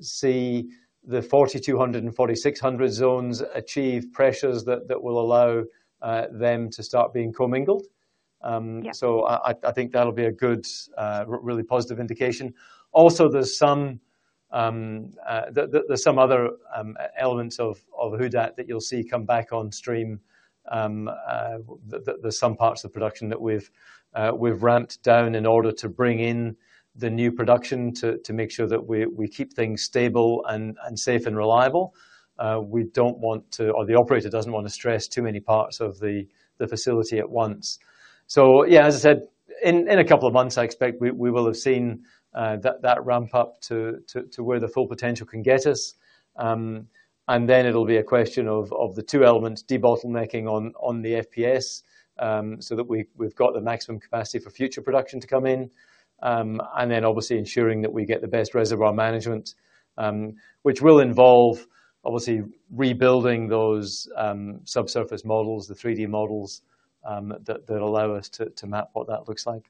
see the 4,200 and 4,600 zones achieve pressures that, that will allow, them to start being co-mingled. Yeah. So I think that'll be a good really positive indication. Also, there's some other elements of Who Dat that you'll see come back on stream. There, there's some parts of the production that we've we've ramped down in order to bring in the new production to make sure that we keep things stable and safe and reliable. We don't want to... Or the operator doesn't want to stress too many parts of the facility at once. So yeah, as I said, in a couple of months, I expect we will have seen that ramp up to where the full potential can get us. Then it'll be a question of the two elements, debottlenecking on the FPS, so that we've got the maximum capacity for future production to come in. Then obviously ensuring that we get the best reservoir management, which will involve, obviously, rebuilding those subsurface models, the 3D models, that allow us to map what that looks like.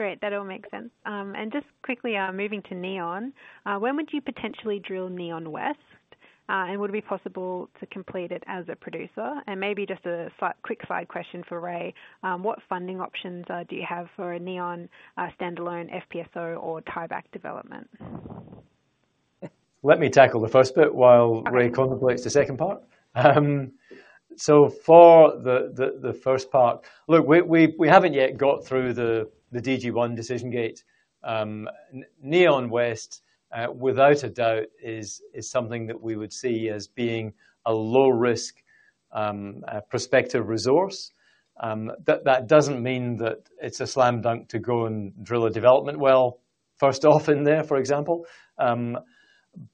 Great, that all makes sense. And just quickly, moving to Neon. When would you potentially drill Neon West? And would it be possible to complete it as a producer? And maybe just a side, quick side question for Ray: What funding options do you have for a Neon standalone FPSO or tieback development? Let me tackle the first bit while Ray contemplates the second part. So for the first part... Look, we haven't yet got through the DG-1 decision gate. Neon West, without a doubt, is something that we would see as being a low risk prospective resource. That doesn't mean that it's a slam dunk to go and drill a development well, first off in there, for example.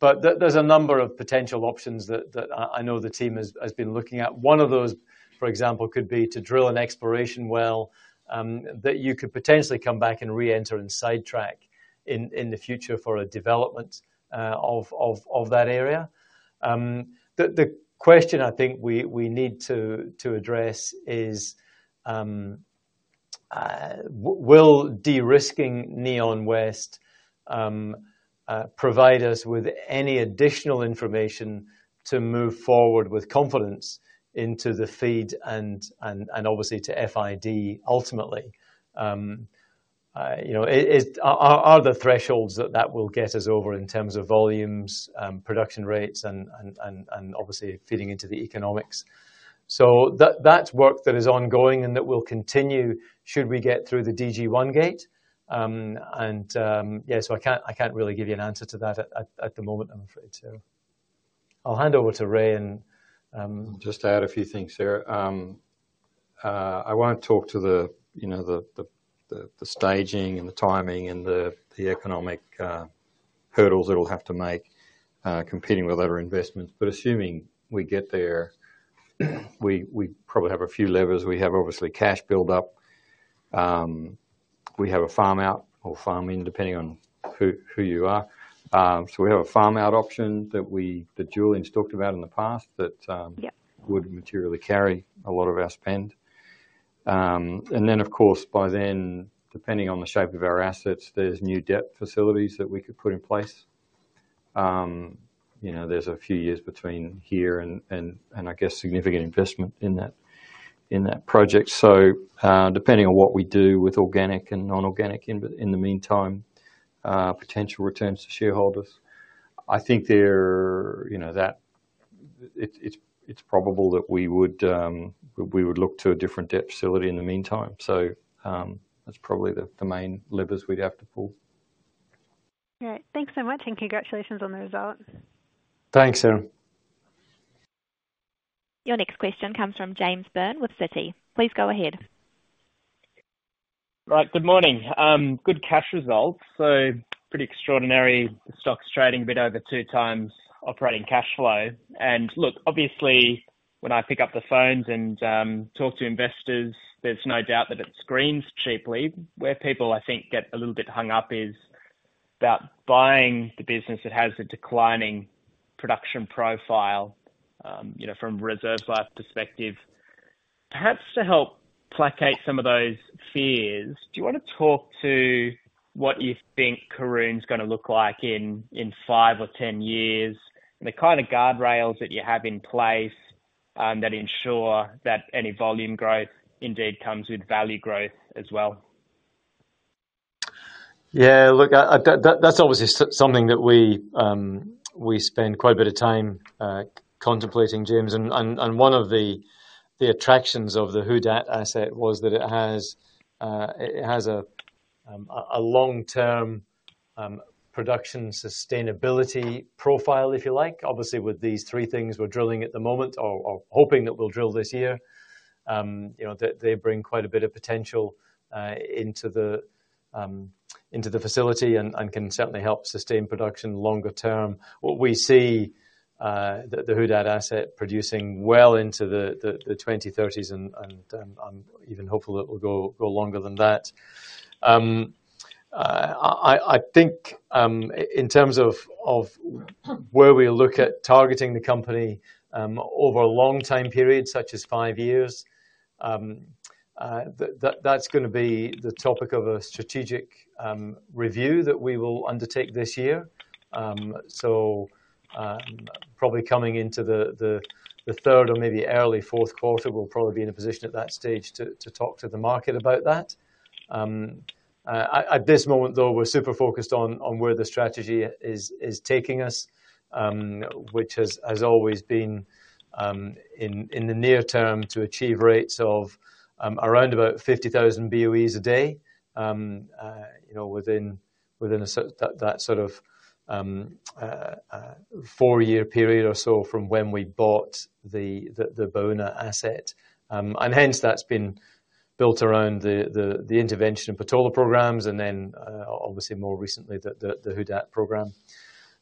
But there, there's a number of potential options that I know the team has been looking at. One of those, for example, could be to drill an exploration well that you could potentially come back and reenter and sidetrack in the future for a development of that area. The question I think we need to address is, will de-risking Neon West provide us with any additional information to move forward with confidence into the FEED and obviously to FID ultimately? You know, are the thresholds that will get us over in terms of volumes, production rates and obviously feeding into the economics. So that's work that is ongoing and that will continue should we get through the DG-1 gate. And yeah, so I can't really give you an answer to that at the moment, I'm afraid to. I'll hand over to Ray, and- Just to add a few things here. I wanna talk to the, you know, the staging and the timing and the economic hurdles that we'll have to make competing with other investments. But assuming we get there, we probably have a few levers. We have, obviously, cash build-up. We have a farm out or farm in, depending on who you are. So we have a farm out option that Julian's talked about in the past, that- Yeah... would materially carry a lot of our spend. And then, of course, by then, depending on the shape of our assets, there's new debt facilities that we could put in place. You know, there's a few years between here and I guess, significant investment in that.... in that project. So, depending on what we do with organic and non-organic in the meantime, potential returns to shareholders, I think they're, you know, that it's probable that we would look to a different debt facility in the meantime. So, that's probably the main levers we'd have to pull. Great. Thanks so much, and congratulations on the results. Thanks, Sarah. Your next question comes from James Byrne with Citi. Please go ahead. Right. Good morning. Good cash results. So pretty extraordinary stock's trading a bit over 2x operating cash flow. And look, obviously, when I pick up the phones and talk to investors, there's no doubt that it screens cheaply. Where people, I think, get a little bit hung up is about buying the business that has a declining production profile, you know, from a reserve life perspective. Perhaps to help placate some of those fears, do you wanna talk to what you think Karoon's gonna look like in five or 10 years, and the kind of guardrails that you have in place that ensure that any volume growth indeed comes with value growth as well? Yeah, look, that's obviously something that we spend quite a bit of time contemplating, James. And one of the attractions of the Who Dat asset was that it has a long-term production sustainability profile, if you like. Obviously, with these three things we're drilling at the moment or hoping that we'll drill this year, you know, they bring quite a bit of potential into the facility and can certainly help sustain production longer term. What we see, the Who Dat asset producing well into the 2030s and, I'm even hopeful it will go longer than that. I think in terms of where we look at targeting the company over a long time period, such as five years, that's gonna be the topic of a strategic review that we will undertake this year. So, probably coming into the third or maybe early Q4, we'll probably be in a position at that stage to talk to the market about that. At this moment, though, we're super focused on where the strategy is taking us, which has always been in the near term to achieve rates of around about 50,000 BOEs a day, you know, within that sort of four-year period or so from when we bought the Baúna asset. And hence, that's been built around the intervention in Patola programs, and then, obviously more recently, the Who Dat program.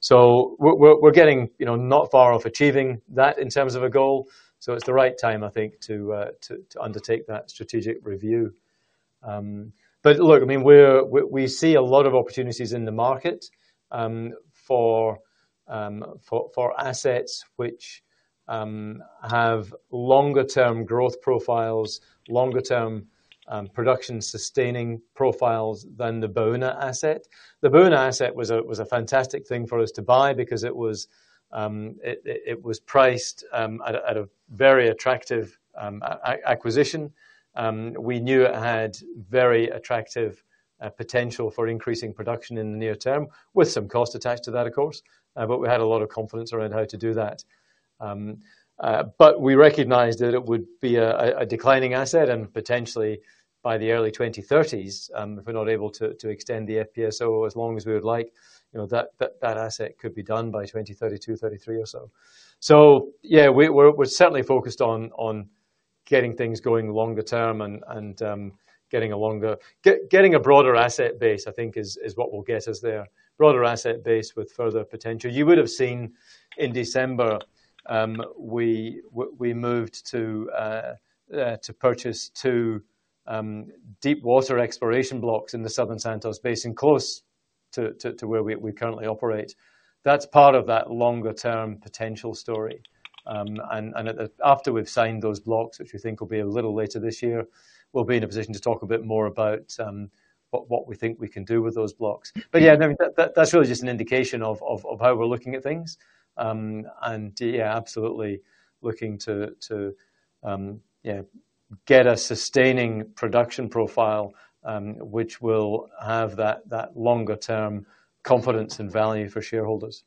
So we're getting, you know, not far off achieving that in terms of a goal. So it's the right time, I think, to undertake that strategic review. But look, I mean, we see a lot of opportunities in the market, for assets which have longer-term growth profiles, longer-term production sustaining profiles than the Baúna asset. The Baúna asset was a fantastic thing for us to buy because it was priced at a very attractive acquisition. We knew it had very attractive potential for increasing production in the near term, with some cost attached to that, of course, but we had a lot of confidence around how to do that. But we recognized that it would be a declining asset, and potentially by the early 2030s, if we're not able to extend the FPSO as long as we would like, you know, that asset could be done by 2032, 2033 or so. So yeah, we're certainly focused on getting things going longer term and getting a broader asset base, I think, is what will get us there. Broader asset base with further potential. You would have seen in December, we moved to purchase two deepwater exploration blocks in the Southern Santos Basin close to where we currently operate. That's part of that longer-term potential story. And after we've signed those blocks, which we think will be a little later this year, we'll be in a position to talk a bit more about what we think we can do with those blocks. But yeah, I mean, that's really just an indication of how we're looking at things. And yeah, absolutely looking to get a sustaining production profile, which will have that longer-term confidence and value for shareholders.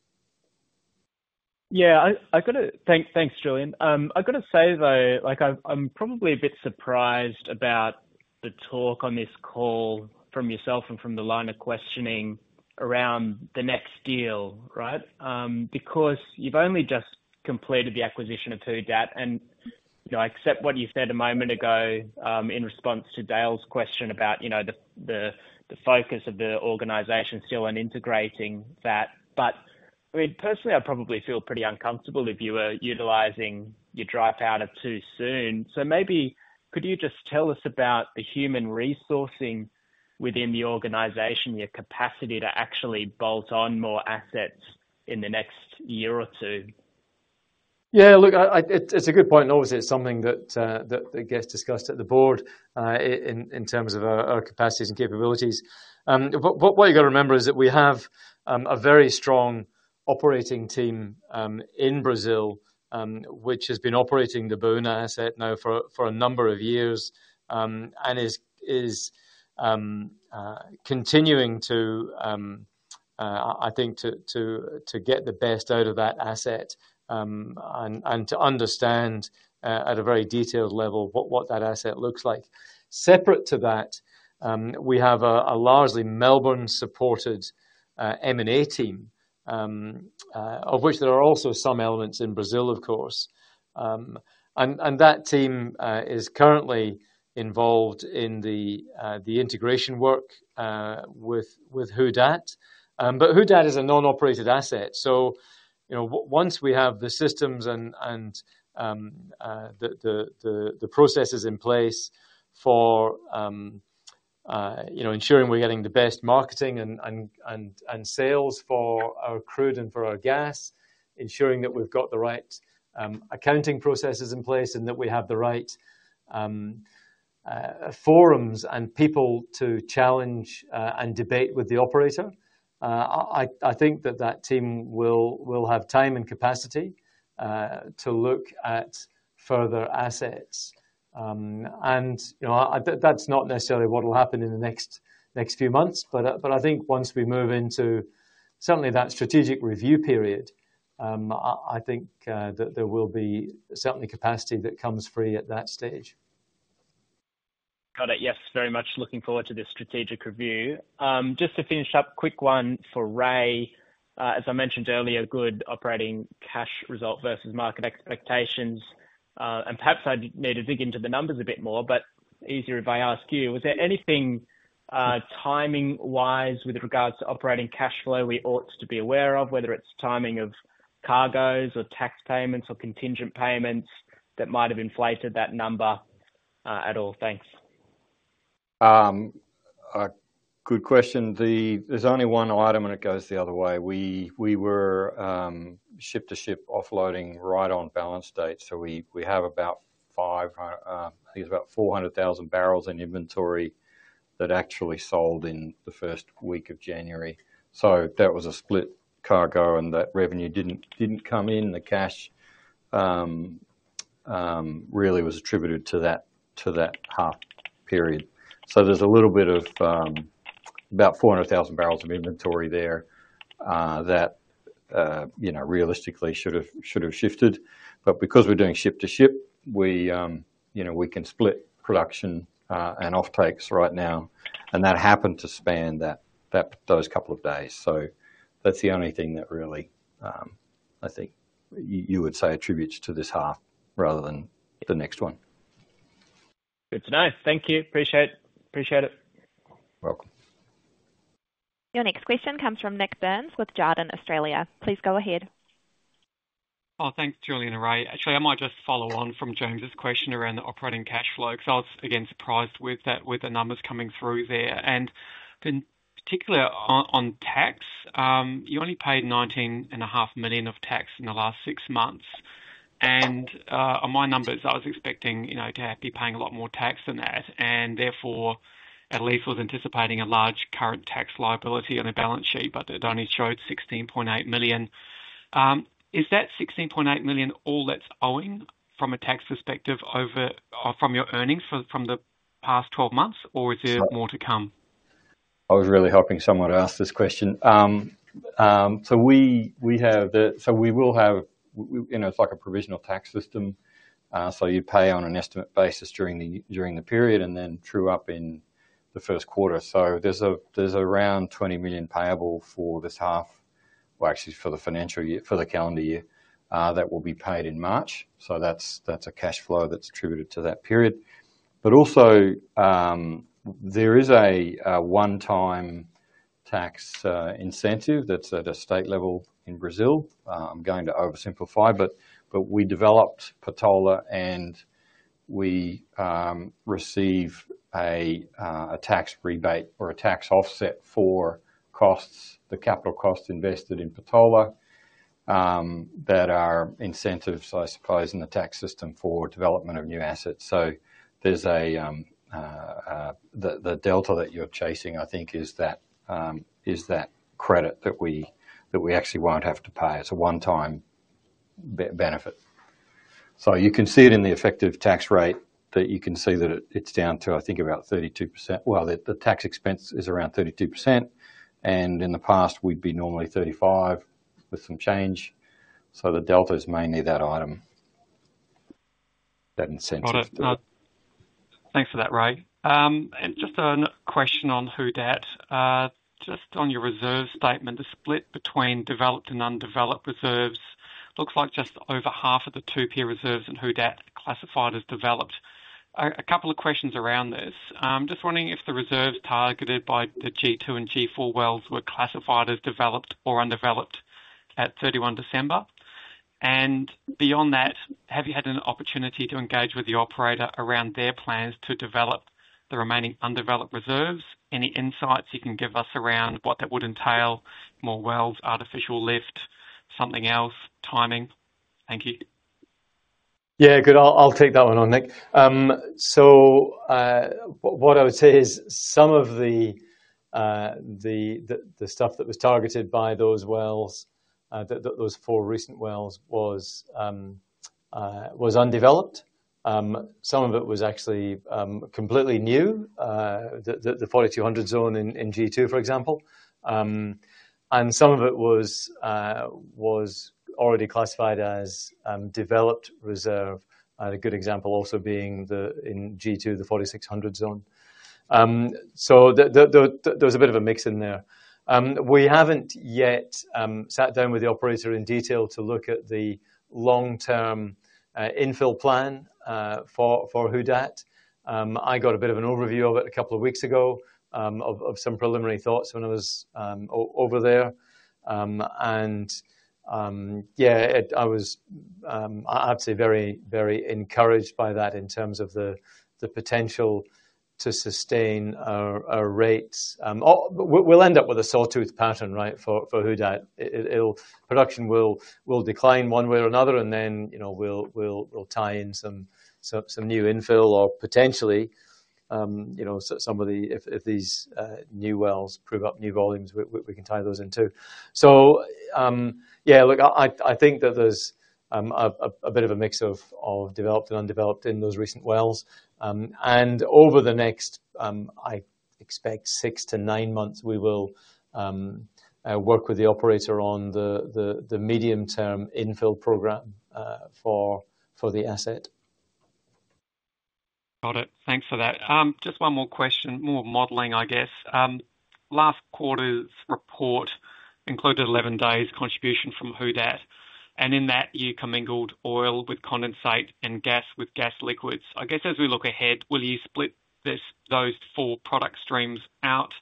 Yeah, I've got to - thanks, thanks, Julian. I've got to say, though, like, I'm probably a bit surprised about the talk on this call from yourself and from the line of questioning around the next deal, right? Because you've only just completed the acquisition of Who Dat, and, you know, I accept what you said a moment ago, in response to Dale's question about, you know, the focus of the organization still on integrating that. But, I mean, personally, I probably feel pretty uncomfortable if you were utilizing your dry powder too soon. So maybe could you just tell us about the human resourcing within the organization, your capacity to actually bolt on more assets in the next year or two? Yeah, look, it's a good point, and obviously, it's something that gets discussed at the board in terms of our capacities and capabilities. But what you got to remember is that we have a very strong operating team in Brazil, which has been operating the Baúna asset now for a number of years, and is continuing to get the best out of that asset, and to understand at a very detailed level what that asset looks like. Separate to that, we have a largely Melbourne-supported M&A team, of which there are also some elements in Brazil, of course. And that team is currently involved in the integration work with Who Dat. But Who Dat is a non-operated asset, so, you know, once we have the systems and the processes in place for, you know, ensuring we're getting the best marketing and sales for our crude and for our gas, ensuring that we've got the right accounting processes in place, and that we have the right forums and people to challenge and debate with the operator, I think that team will have time and capacity to look at further assets. And, you know, that's not necessarily what will happen in the next few months, but I think once we move into certainly that strategic review period, I think that there will be certainly capacity that comes free at that stage. Got it. Yes, very much looking forward to this strategic review. Just to finish up, quick one for Ray. As I mentioned earlier, good operating cash result versus market expectations. And perhaps I need to dig into the numbers a bit more, but easier if I ask you: Was there anything, timing-wise with regards to operating cash flow we ought to be aware of, whether it's timing of cargoes or tax payments or contingent payments that might have inflated that number, at all? Thanks. Good question. There's only one item, and it goes the other way. We were ship-to-ship offloading right on balance date, so we have about 500,000, I think it's about 400,000 barrels in inventory that actually sold in the first week of January. So that was a split cargo, and that revenue didn't come in. The cash really was attributed to that half period. So there's a little bit of about 400,000 barrels of inventory there that you know realistically should have shifted. But because we're doing ship-to-ship, you know we can split production and off takes right now, and that happened to span that those couple of days. So that's the only thing that really, I think you would say attributes to this half rather than the next one. Good to know. Thank you. Appreciate, appreciate it. Welcome. Your next question comes from Nik Burns with Jarden Australia. Please go ahead. Oh, thanks, Julian and Ray. Actually, I might just follow on from James's question around the operating cash flow, because I was, again, surprised with that, with the numbers coming through there. And then particularly on tax, you only paid $19.5 million of tax in the last six months. And on my numbers, I was expecting, you know, to have you paying a lot more tax than that, and therefore, at least was anticipating a large current tax liability on the balance sheet, but it only showed $16.8 million. Is that $16.8 million all that's owing from a tax perspective over from your earnings from the past 12 months, or is there more to come? I was really hoping someone would ask this question. So we have the... So we will have, you know, it's like a provisional tax system. So you pay on an estimate basis during the period and then true up in the Q1. So there's a, there's around $20 million payable for this half, well, actually for the financial year, for the calendar year, that will be paid in March. So that's, that's a cash flow that's attributed to that period. But also, there is a one-time tax incentive that's at a state level in Brazil. I'm going to oversimplify, but we developed Patola, and we receive a tax rebate or a tax offset for costs, the capital costs invested in Patola, that are incentives, I suppose, in the tax system for development of new assets. So there's the delta that you're chasing, I think, is that credit that we actually won't have to pay. It's a one-time benefit. So you can see it in the effective tax rate, that you can see that it's down to, I think, about 32%. Well, the tax expense is around 32%, and in the past, we'd be normally 35% with some change. So the delta is mainly that item, that incentive. Got it. Thanks for that, Ray. And just another question on Who Dat. Just on your reserve statement, the split between developed and undeveloped reserves looks like just over half of the 2P reserves, and Who Dat classified as developed. A couple of questions around this. I'm just wondering if the reserves targeted by the G-2 and G-4 wells were classified as developed or undeveloped at 31 December. And beyond that, have you had an opportunity to engage with the operator around their plans to develop the remaining undeveloped reserves? Any insights you can give us around what that would entail, more wells, artificial lift, something else, timing? Thank you. Yeah, good. I'll take that one on, Nick. So, what I would say is some of the stuff that was targeted by those wells, those four recent wells was undeveloped. Some of it was actually completely new, the 4200 zone in G-2, for example. And some of it was already classified as developed reserve. A good example also being the in G-2 the 4600 zone. So there was a bit of a mix in there. We haven't yet sat down with the operator in detail to look at the long-term infill plan for Who Dat. I got a bit of an overview of it a couple of weeks ago, of some preliminary thoughts when I was over there. And yeah, I was obviously very, very encouraged by that in terms of the potential to sustain our rates. We'll end up with a sawtooth pattern, right, for Who Dat. Production will decline one way or another, and then, you know, we'll tie in some new infill or potentially, you know, so some of the... If these new wells prove up new volumes, we can tie those in, too. So, yeah, look, I think that there's a bit of a mix of developed and undeveloped in those recent wells. Over the next 6-9 months, I expect we will work with the operator on the medium-term infill program for the asset. Got it. Thanks for that. Just one more question, more modeling, I guess. Last quarter's report included 11 days contribution from Who Dat, and in that, you commingled oil with condensate and gas with gas liquids. I guess, as we look ahead, will you split this, those four product streams out?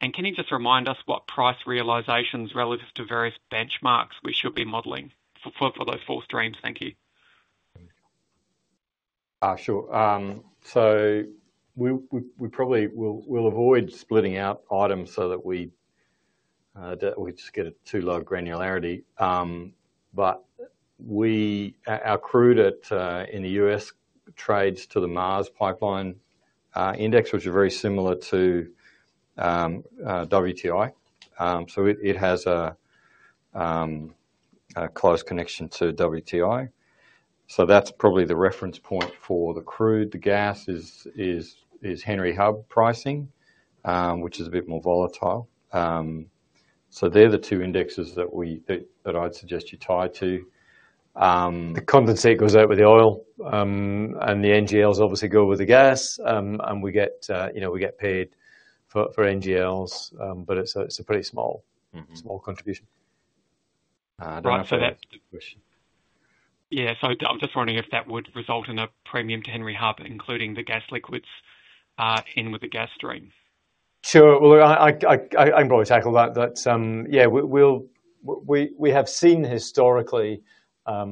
And can you just remind us what price realizations relative to various benchmarks we should be modeling for, for, for those four streams? Thank you. Sure. So we probably will, we'll avoid splitting out items so that we just get it to low granularity. But our crude at in the U.S. trades to the Mars Pipeline index, which are very similar to WTI. So it has a close connection to WTI. So that's probably the reference point for the crude. The gas is Henry Hub pricing, which is a bit more volatile. So they're the two indexes that I'd suggest you tie to. The condensate goes out with the oil, and the NGLs obviously go with the gas. And we get, you know, we get paid for NGLs, but it's a pretty small- Mm-hmm. Small contribution. I don't know if that's a good question. Yeah. I'm just wondering if that would result in a premium to Henry Hub, including the gas liquids, in with the gas stream? Sure. Well, I can probably tackle that. That's... Yeah, we'll, we have seen historically, a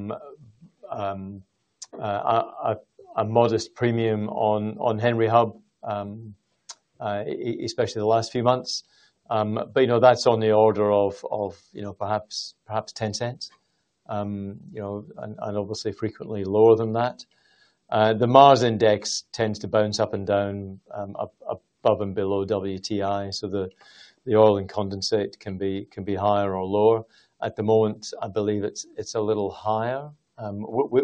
modest premium on Henry Hub, especially the last few months. But, you know, that's on the order of, you know, perhaps $0.10. You know, and obviously frequently lower than that. The Mars index tends to bounce up and down, up, above and below WTI, so the oil and condensate can be higher or lower. At the moment, I believe it's a little higher.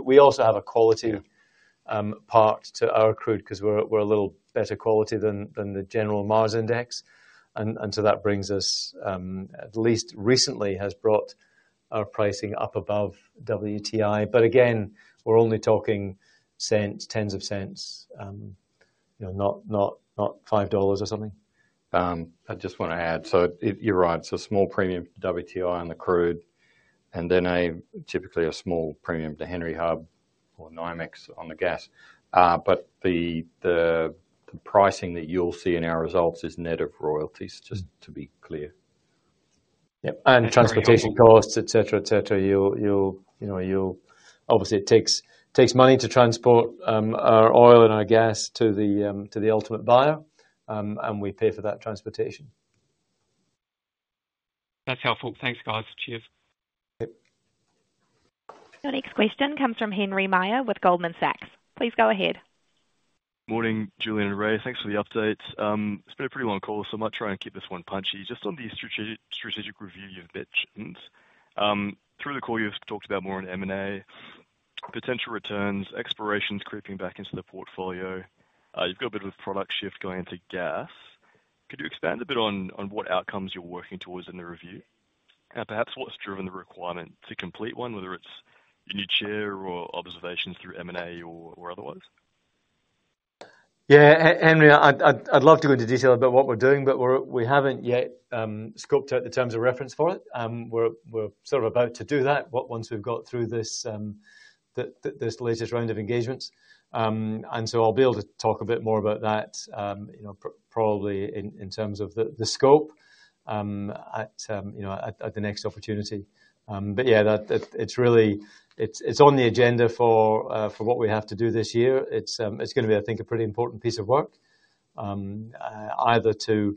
We also have a quality part to our crude because we're a little better quality than the general Mars index. And so that brings us, at least recently, has brought our pricing up above WTI. But again, we're only talking cents, tens of cents, you know, not, not, not $5 or something. I just want to add. So you're right, it's a small premium, WTI on the crude, and then typically a small premium to Henry Hub or NYMEX on the gas. But the pricing that you'll see in our results is net of royalties, just to be clear. Yep, and transportation costs, et cetera, et cetera. You'll, you know, you'll... Obviously, it takes money to transport our oil and our gas to the ultimate buyer, and we pay for that transportation. That's helpful. Thanks, guys. Cheers. Yep. The next question comes from Henry Meyer with Goldman Sachs. Please go ahead. Morning, Julian and Ray. Thanks for the updates. It's been a pretty long call, so I might try and keep this one punchy. Just on the strategic, strategic review you've mentioned. Through the call, you've talked about more on M&A, potential returns, explorations creeping back into the portfolio. You've got a bit of a product shift going into gas. Could you expand a bit on what outcomes you're working towards in the review? And perhaps what's driven the requirement to complete one, whether it's in your chair or observations through M&A or otherwise? Yeah. Henry, I'd love to go into detail about what we're doing, but we haven't yet scoped out the terms of reference for it. We're sort of about to do that, but once we've got through this latest round of engagements. So I'll be able to talk a bit more about that, you know, probably in terms of the scope, at, you know, at the next opportunity. But yeah, that, it, it's really... It's on the agenda for what we have to do this year. It's gonna be, I think, a pretty important piece of work. Either to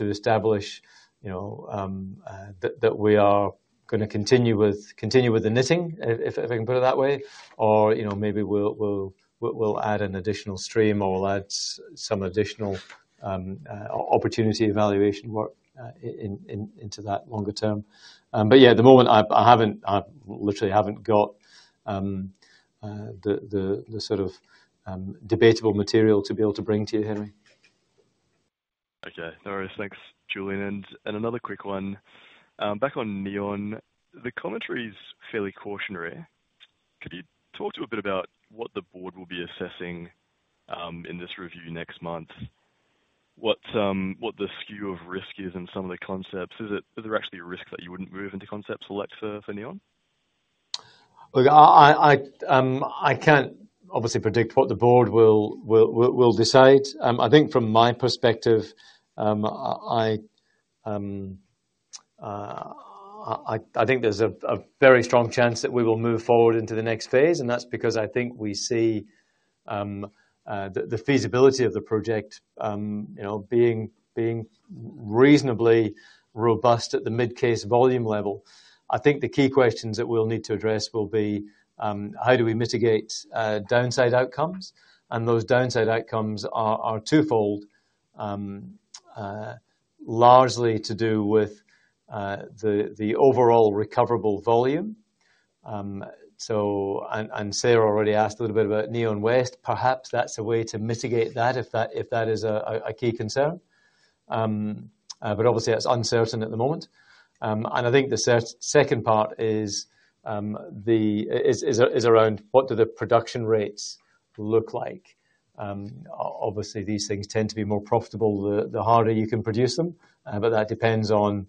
establish, you know, that we are gonna continue with, continue with the knitting, if I can put it that way, or, you know, maybe we'll add an additional stream, or we'll add some additional opportunity evaluation work into that longer term. But yeah, at the moment, I haven't, I literally haven't got the sort of debatable material to be able to bring to you, Henry. Okay. All right. Thanks, Julian. And, and another quick one. Back on Neon, the commentary is fairly cautionary. Could you talk to a bit about what the board will be assessing in this review next month? What's what the skew of risk is in some of the concepts? Is it- is there actually a risk that you wouldn't move into concepts select for, for Neon? Look, I can't obviously predict what the board will decide. I think from my perspective, I think there's a very strong chance that we will move forward into the next phase, and that's because I think we see the feasibility of the project, you know, being reasonably robust at the mid-case volume level. I think the key questions that we'll need to address will be, how do we mitigate downside outcomes? And those downside outcomes are twofold, largely to do with the overall recoverable volume. And Sarah already asked a little bit about Neon West. Perhaps that's a way to mitigate that, if that is a key concern. But obviously, that's uncertain at the moment. And I think the second part is around what the production rates look like. Obviously, these things tend to be more profitable, the harder you can produce them. But that depends on,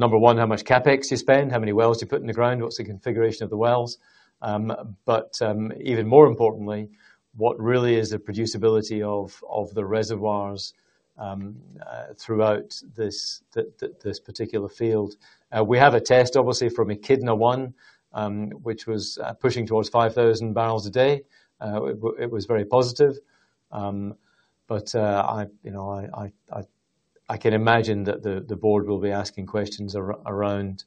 number one, how much CapEx you spend, how many wells you put in the ground, what's the configuration of the wells? But even more importantly, what really is the producibility of the reservoirs throughout this particular field? We have a test, obviously, from Echidna-1, which was pushing towards 5,000 barrels a day. It was very positive. But you know, I can imagine that the board will be asking questions around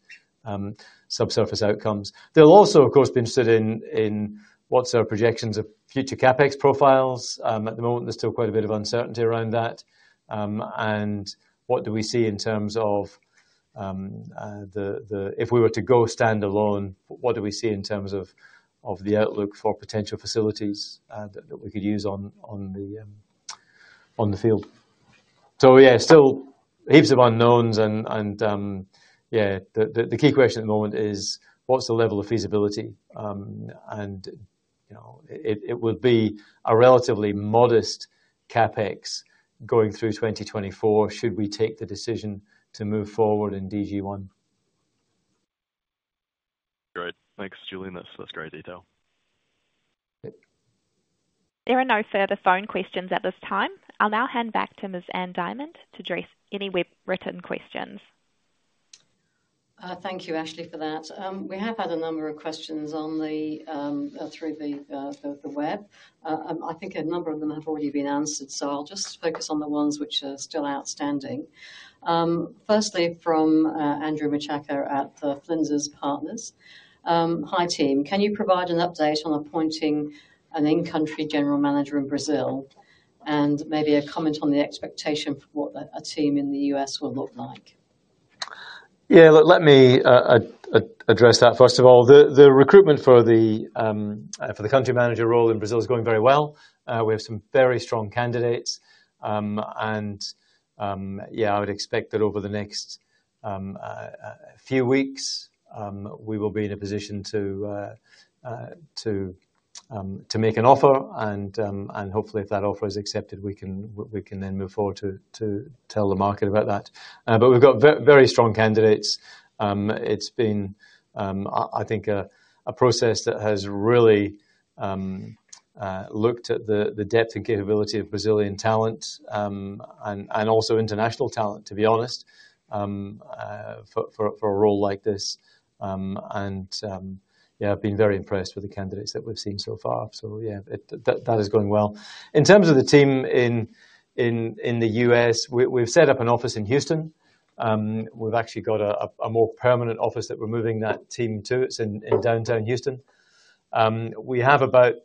subsurface outcomes. They'll also, of course, be interested in what's our projections of future CapEx profiles. At the moment, there's still quite a bit of uncertainty around that. And what do we see in terms of, if we were to go standalone, what do we see in terms of the outlook for potential facilities that we could use on the field? So, yeah, still heaps of unknowns and, yeah, the key question at the moment is, what's the level of feasibility? And, you know, it would be a relatively modest CapEx going through 2024, should we take the decision to move forward in DG-1. Great. Thanks, Julian. That's, that's great detail. Yep. There are no further phone questions at this time. I'll now hand back to Ms. Ann Diamant to address any web written questions. Thank you, Ashley, for that. We have had a number of questions through the web. I think a number of them have already been answered, so I'll just focus on the ones which are still outstanding. Firstly, from Andrew Mouchacca at Flinders Partners. Hi, team. Can you provide an update on appointing an in-country general manager in Brazil? And maybe a comment on the expectation for what a team in the US will look like. Yeah, let me address that first of all. The recruitment for the country manager role in Brazil is going very well. We have some very strong candidates. And yeah, I would expect that over the next few weeks, we will be in a position to make an offer, and hopefully, if that offer is accepted, we can then move forward to tell the market about that. But we've got very strong candidates. It's been a process that has really looked at the depth and capability of Brazilian talent, and also international talent, to be honest, for a role like this. Yeah, I've been very impressed with the candidates that we've seen so far. Yeah, that is going well. In terms of the team in the US, we've set up an office in Houston. We've actually got a more permanent office that we're moving that team to. It's in downtown Houston. We have about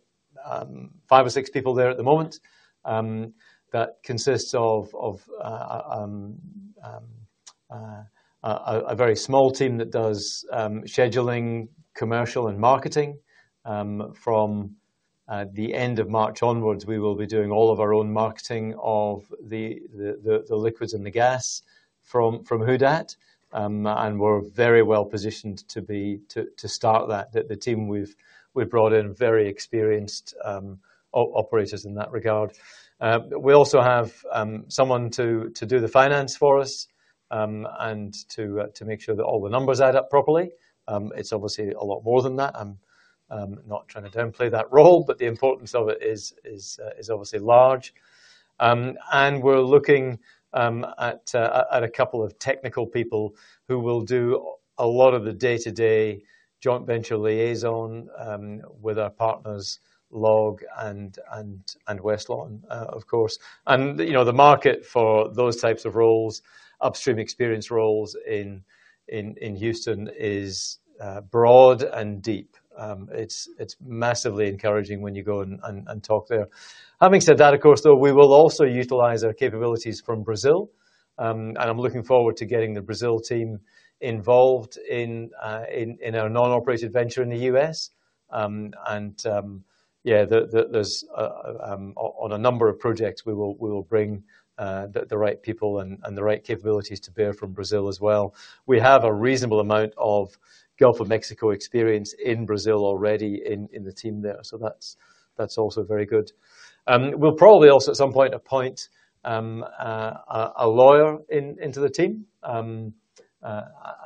five or six people there at the moment that consists of a very small team that does scheduling, commercial, and marketing. From the end of March onwards, we will be doing all of our own marketing of the liquids and the gas from Who Dat, and we're very well positioned to start that. The team we've brought in very experienced operators in that regard. We also have someone to do the finance for us, and to make sure that all the numbers add up properly. It's obviously a lot more than that. I'm not trying to downplay that role, but the importance of it is obviously large. And we're looking at a couple of technical people who will do a lot of the day-to-day joint venture liaison with our partners, LLOG and Westlawn, of course. And you know, the market for those types of roles, upstream experience roles in Houston is broad and deep. It's massively encouraging when you go and talk there. Having said that, of course, though, we will also utilize our capabilities from Brazil. And I'm looking forward to getting the Brazil team involved in our non-operated venture in the U.S. And, yeah, there's on a number of projects, we will bring the right people and the right capabilities to bear from Brazil as well. We have a reasonable amount of Gulf of Mexico experience in Brazil already in the team there, so that's also very good. We'll probably also at some point appoint a lawyer into the team.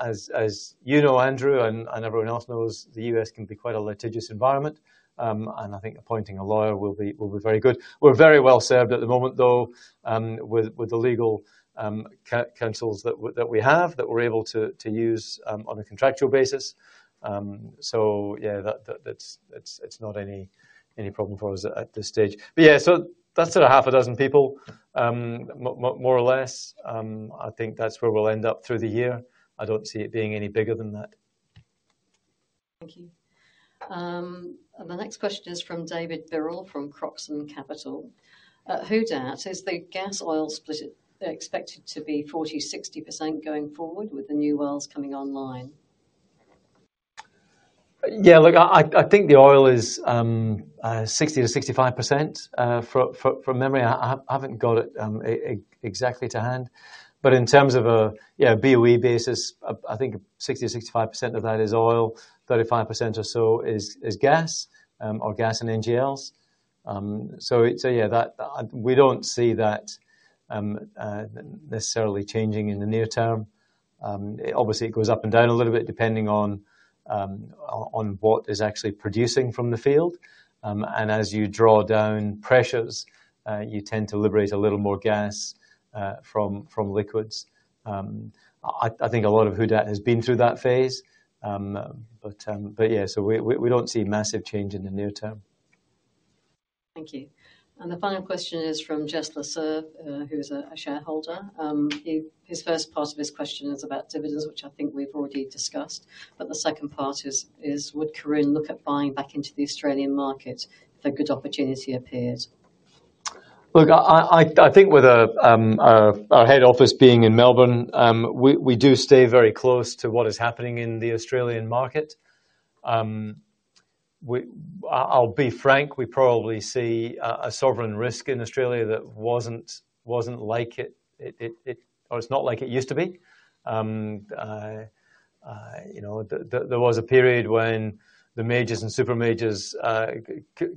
As you know, Andrew, and everyone else knows, the U.S. can be quite a litigious environment. And I think appointing a lawyer will be very good. We're very well served at the moment, though, with the legal counsels that we have that we're able to use on a contractual basis. So yeah, that's—it's not any problem for us at this stage. But yeah, so that's sort of six people, more or less. I think that's where we'll end up through the year. I don't see it being any bigger than that. Thank you. The next question is from David Birrell, from Croxon Capital. At Who Dat, is the gas oil split expected to be 40%-60% going forward with the new wells coming online? Yeah, look, I think the oil is 60%-65% from memory. I haven't got it exactly to hand. But in terms of a, you know, BOE basis, I think 60%-65% of that is oil, 35% or so is gas or gas and NGLs. So it's... So yeah, that we don't see that necessarily changing in the near term. Obviously, it goes up and down a little bit, depending on what is actually producing from the field. And as you draw down pressures, you tend to liberate a little more gas from liquids. I think a lot of Who Dat has been through that phase. But yeah, so we don't see massive change in the near term. Thank you. The final question is from Jess Laseur, who's a shareholder. His first part of his question is about dividends, which I think we've already discussed, but the second part is: Would Karoon look at buying back into the Australian market if a good opportunity appears? Look, I think with our head office being in Melbourne, we do stay very close to what is happening in the Australian market. I'll be frank, we probably see a sovereign risk in Australia that wasn't like it- or it's not like it used to be. You know, there was a period when the majors and super majors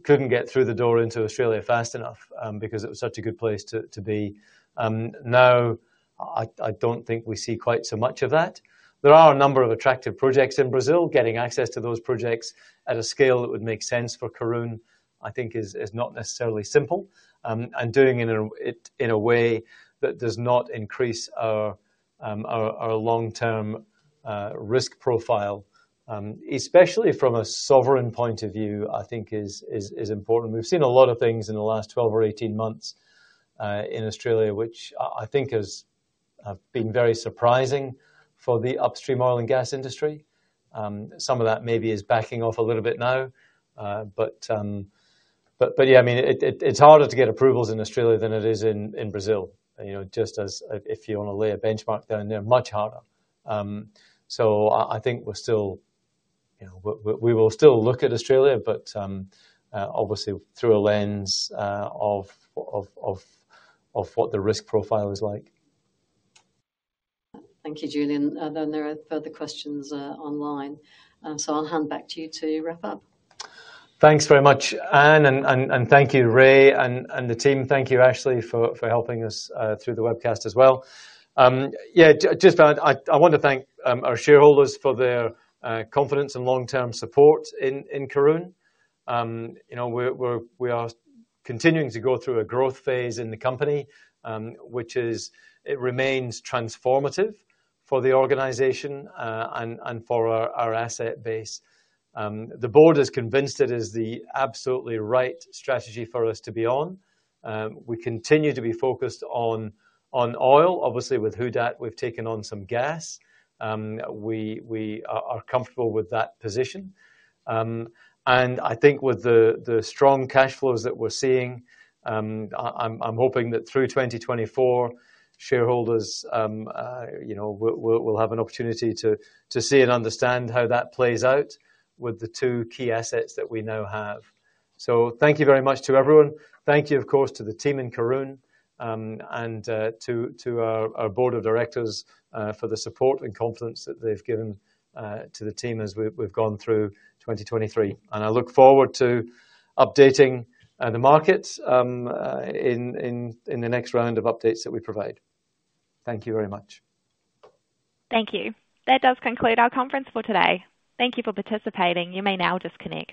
couldn't get through the door into Australia fast enough, because it was such a good place to be. Now, I don't think we see quite so much of that. There are a number of attractive projects in Brazil. Getting access to those projects at a scale that would make sense for Karoon, I think is not necessarily simple. And doing it in a way that does not increase our long-term risk profile, especially from a sovereign point of view, I think is important. We've seen a lot of things in the last 12 or 18 months in Australia, which I think have been very surprising for the upstream oil and gas industry. Some of that maybe is backing off a little bit now, but yeah, I mean, it's harder to get approvals in Australia than it is in Brazil. You know, just as if you want to lay a benchmark down there, much harder. So I think we're still... You know, we will still look at Australia, but obviously through a lens of what the risk profile is like. Thank you, Julian. And then there are further questions online. So I'll hand back to you to wrap up. Thanks very much, Ann, and thank you, Ray, and the team. Thank you, Ashley, for helping us through the webcast as well. Yeah, just I want to thank our shareholders for their confidence and long-term support in Karoon. You know, we are continuing to go through a growth phase in the company, which is—it remains transformative for the organization, and for our asset base. The board is convinced it is the absolutely right strategy for us to be on. We continue to be focused on oil. Obviously, with Who Dat, we've taken on some gas. We are comfortable with that position. And I think with the strong cash flows that we're seeing, I'm hoping that through 2024, shareholders, you know, will have an opportunity to see and understand how that plays out with the two key assets that we now have. So thank you very much to everyone. Thank you, of course, to the team in Karoon, and to our board of directors, for the support and confidence that they've given to the team as we've gone through 2023. And I look forward to updating the markets in the next round of updates that we provide. Thank you very much. Thank you. That does conclude our conference for today. Thank you for participating. You may now disconnect.